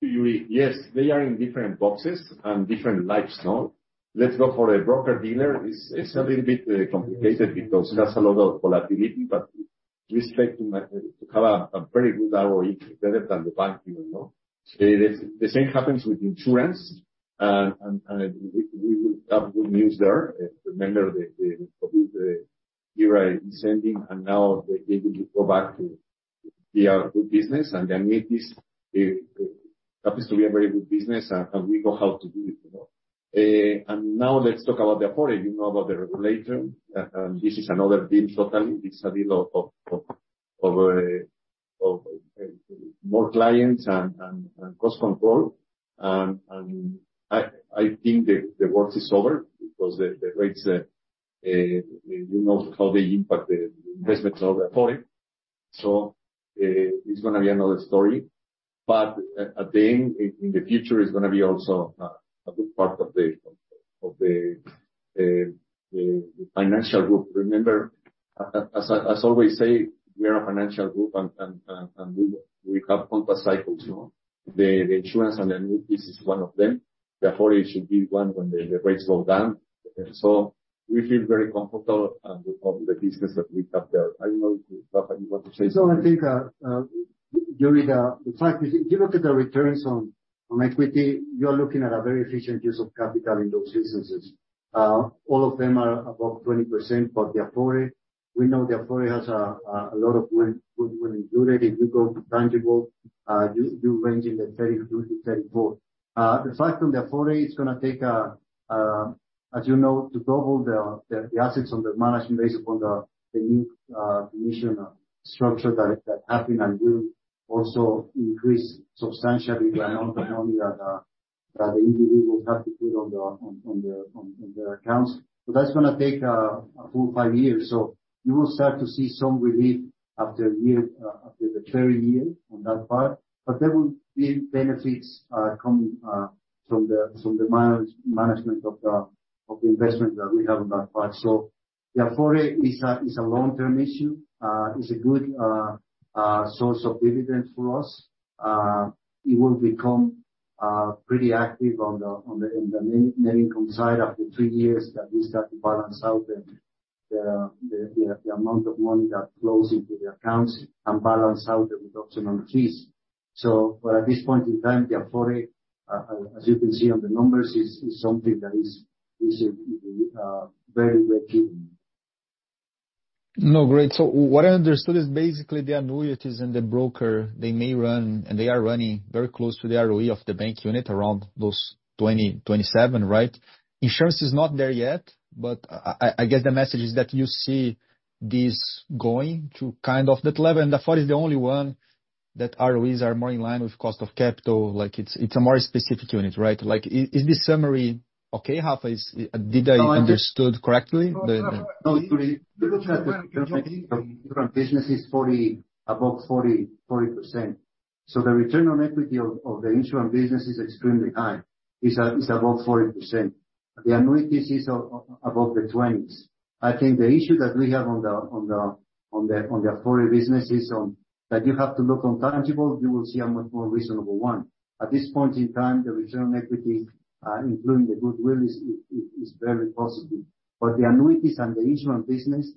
Yuri, yes, they are in different boxes and different lives now. Let's go for a broker-dealer. It's a little bit complicated because it has a lot of volatility, but we expect to have a very good ROE better than the bank even, no. The same happens with insurance. We will have good news there. Remember, the era is ending, and now they will go back to the good business. Then with this, it happens to be a very good business, and we know how to do it, you know. Now let's talk about the Afore. You know about the regulation. This is another deal totally. It's a deal of more clients and cost control. I think the worst is over because the rates, you know how they impact the investments of the Afore. It's gonna be another story. At the end, in the future, it's gonna be also a good part of the financial group. Remember, as I always say, we are a financial group and we have complementary cycles, no? The insurance and the annuities is one of them. The Afore should be one when the rates go down. We feel very comfortable with all the business that we have there. I don't know if, Rafa, you want to say something. I think, Yuri, the fact is if you look at the returns on equity, you're looking at a very efficient use of capital in those businesses. All of them are above 20%. The Afore, we know the Afore has a lot of goodwill included. If you go to tangible, you range in the 30%-34%. The fact on the Afore, it's gonna take, as you know, to double the assets under management based upon the new commission structure that happened and will also increase substantially the amount of money that the individual have to put on the accounts. That's gonna take a full 5 years. You will start to see some relief after a year, after the third year on that part. There will be benefits coming from the management of the investment that we have on that part. The Afore is a long-term issue. It's a good source of dividends for us. It will become pretty active on the net income side after three years, at least start to balance out the amount of money that flows into the accounts and balance out the reduction on fees. At this point in time, the Afore, as you can see on the numbers, is something that is very well hidden. No, great. What I understood is basically the annuities and the broker, they may run and they are running very close to the ROE of the bank unit, around those 20-27, right? Insurance is not there yet, but I get the message is that you see this going to kind of that level, and Afore is the only one that ROEs are more in line with cost of capital. Like it's a more specific unit, right? Like, is this summary okay, Rafa? No, I just. Did I understand correctly? No, no, Yuri. You're looking at the return on equity of different businesses 40, above 40%. The return on equity of the insurance business is extremely high. It's above 40%. The annuities is above the 20s. I think the issue that we have on the Afore business is that you have to look on tangible. You will see a much more reasonable one. At this point in time, the return on equity including the goodwill is very positive. The annuities and the insurance business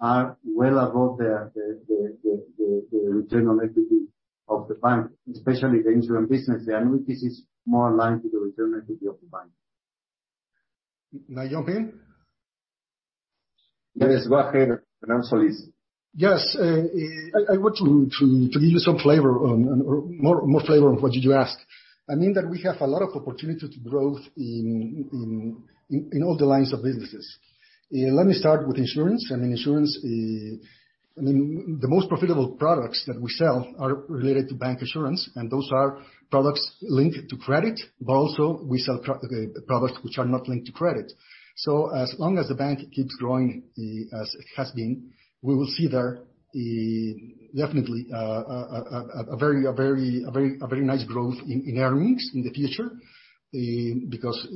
are well above the return on equity of the bank, especially the insurance business. The annuities is more aligned to the return on equity of the bank. May I jump in? Yes, go ahead. I'm sorry. Yes. I want to give you more flavor on what you just asked. I mean that we have a lot of opportunity to growth in all the lines of businesses. Let me start with insurance. I mean, insurance, I mean, the most profitable products that we sell are related to bank insurance, and those are products linked to credit, but also we sell products which are not linked to credit. As long as the bank keeps growing, as it has been, we will see there definitely a very nice growth in earnings in the future. Because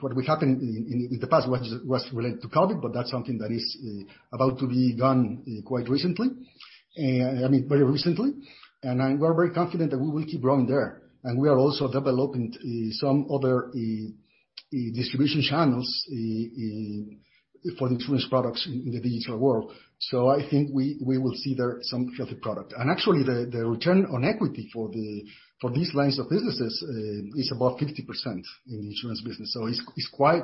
what happened in the past was related to COVID, but that's something that is about to be gone quite recently. I mean, very recently. We're very confident that we will keep growing there. We're also developing some other distribution channels for the insurance products in the digital world. I think we will see there some healthy product. Actually, the return on equity for these lines of businesses is about 50% in the insurance business. It's quite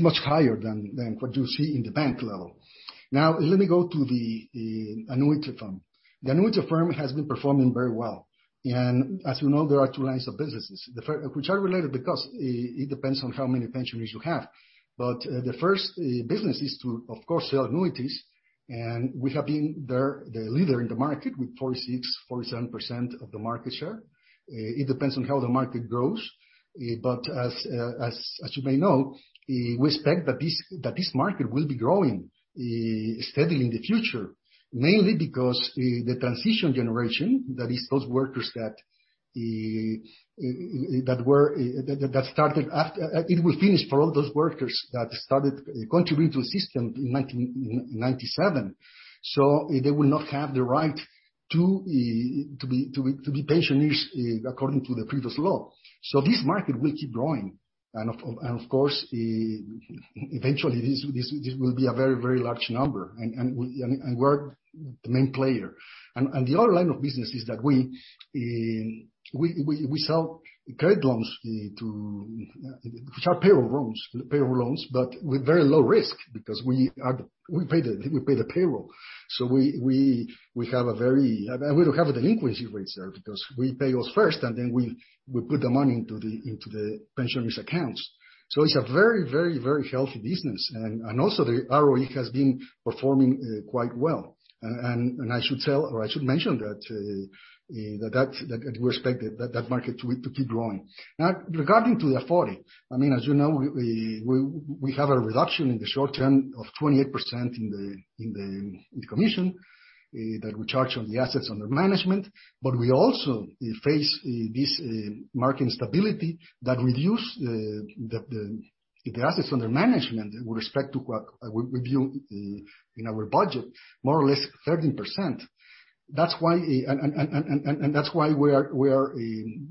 much higher than what you see in the bank level. Now let me go to the annuity firm. The annuity firm has been performing very well. As you know, there are two lines of businesses. Which are related because it depends on how many pensioners you have. The first business is to, of course, sell annuities. And we have been there, the leader in the market with 46-47% of the market share. It depends on how the market grows, but as you may know, we expect that this market will be growing steadily in the future. Mainly because the transition generation, that is those workers that were that started aft. It will finish for all those workers that started contributing to the system in 1997. They will not have the right to be pensioners according to the previous law. This market will keep growing. Of course, eventually this will be a very large number. We're the main player. The other line of business is that we sell credit loans, which are payroll loans, but with very low risk because we pay the payroll. We don't have delinquency rates there because we pay those first and then we put the money into the pensioners' accounts. It's a very healthy business. Also, the ROE has been performing quite well. I should mention that we expect that market to keep growing. I mean, as you know, we have a reduction in the short term of 28% in the commission that we charge on the assets under management. We also face this market instability that reduces the assets under management with respect to what we view in our budget, more or less 13%. That's why we are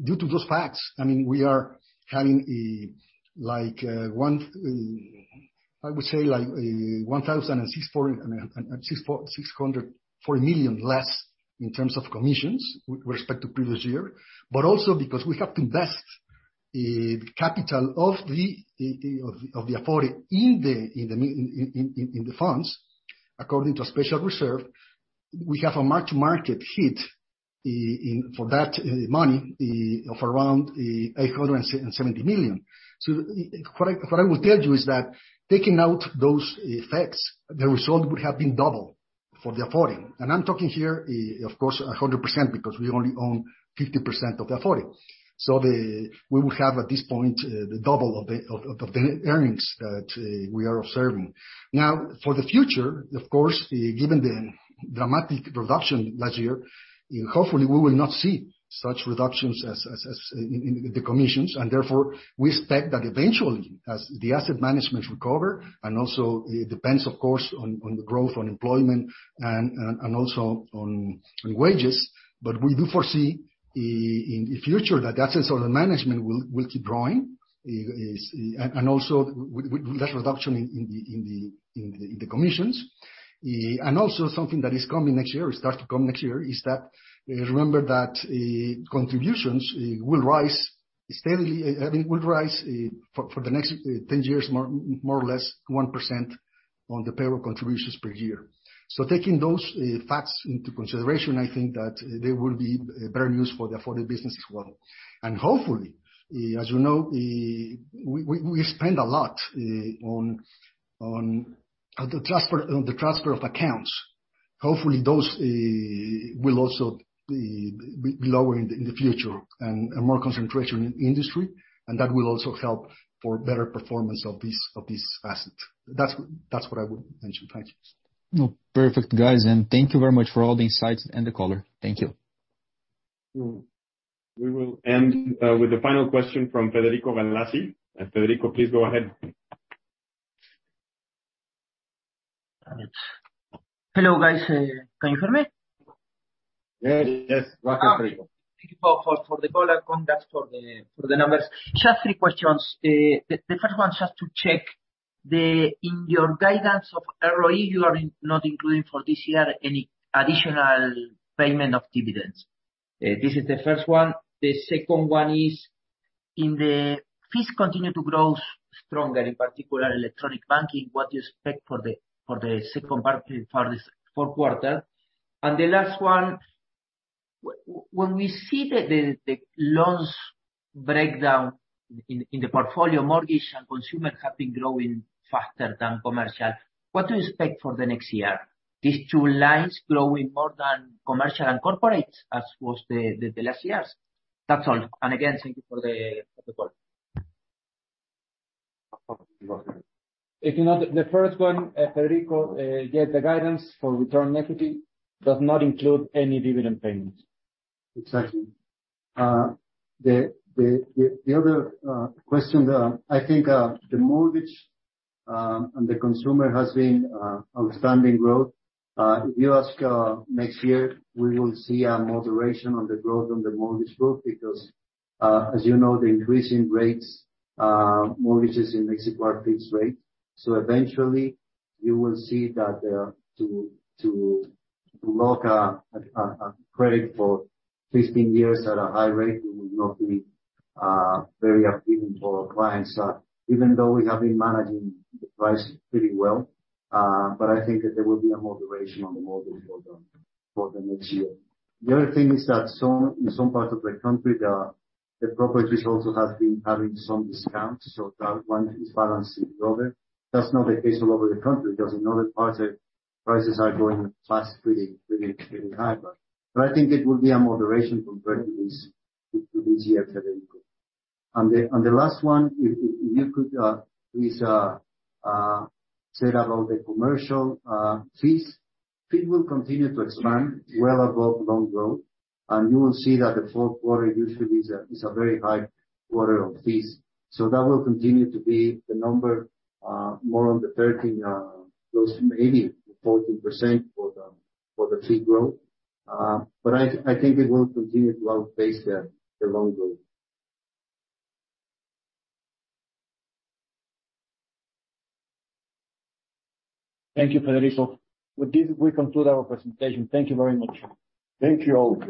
due to those facts, I mean, we are having like, I would say like, 1,640 million less in terms of commissions with respect to previous year. Also because we have to invest capital of the Afore in the funds, according to a special reserve. We have a mark-to-market hit for that money of around 870 million. What I will tell you is that taking out those effects, the result would have been double for the Afore. I'm talking here, of course, 100%, because we only own 50% of the Afore. We will have, at this point, the double of the earnings that we are observing. Now, for the future, of course, given the dramatic reduction last year, hopefully we will not see such reductions as in the commissions. Therefore, we expect that eventually, as the assets under management recover, and also it depends of course on the growth in employment and also on wages. We do foresee in the future that the assets under management will keep growing. With less reduction in the commissions. Something that is coming next year, or start to come next year, is that remember that contributions will rise steadily. I mean, will rise for the next 10 years, more or less 1% on the payroll contributions per year. Taking those facts into consideration, I think that they will be very useful for the Afore business as well. Hopefully, as you know, we spend a lot on the transfer of accounts. Hopefully, those will also be lower in the future and more concentration in industry. That will also help for better performance of this facet. That's what I would mention. Thank you. No. Perfect, guys. Thank you very much for all the insights and the color. Thank you. We will end with the final question from Federico Galassi. Federico, please go ahead. Got it. Hello, guys. Can you hear me? Yes. Yes. Welcome, Federico. Thank you for the call and contacts, for the numbers. Just three questions. The first one, just to check. In your guidance of ROE, you are not including for this year any additional payment of dividends. This is the first one. The second one is, if the fees continue to grow stronger, in particular electronic banking, what do you expect for the second part, for this fourth quarter? The last one, when we see the loans breakdown in the portfolio, mortgage and consumer have been growing faster than commercial. What do you expect for the next year? These two lines growing more than commercial and corporate, as in the last years? That's all. Again, thank you for the call. If you know, the first one, Federico, yes, the guidance for return on equity does not include any dividend payments. Exactly. The other question, I think, the mortgage and the consumer has been outstanding growth. If you ask next year, we will see a moderation on the growth, on the mortgage growth, because as you know, the increase in rates, mortgages in Mexico are fixed rate. Eventually, you will see that to lock a credit for 15 years at a high rate, it would not be very appealing for our clients. Even though we have been managing the prices pretty well, but I think that there will be a moderation on the mortgage program for the next year. The other thing is that in some parts of the country, the properties also have been having some discounts, so that one is balancing the other. That's not the case all over the country, because in other parts, prices are going fast, pretty high. I think it will be a moderation compared to this year, Federico. On the last one, if you could please say about the commercial fees. Fees will continue to expand well above loan growth. You will see that the fourth quarter usually is a very high quarter of fees. That will continue to be the number more on the 13 close to maybe 14% for the fee growth. I think it will continue to outpace the loan growth. Thank you, Federico. With this, we conclude our presentation. Thank you very much. Thank you all.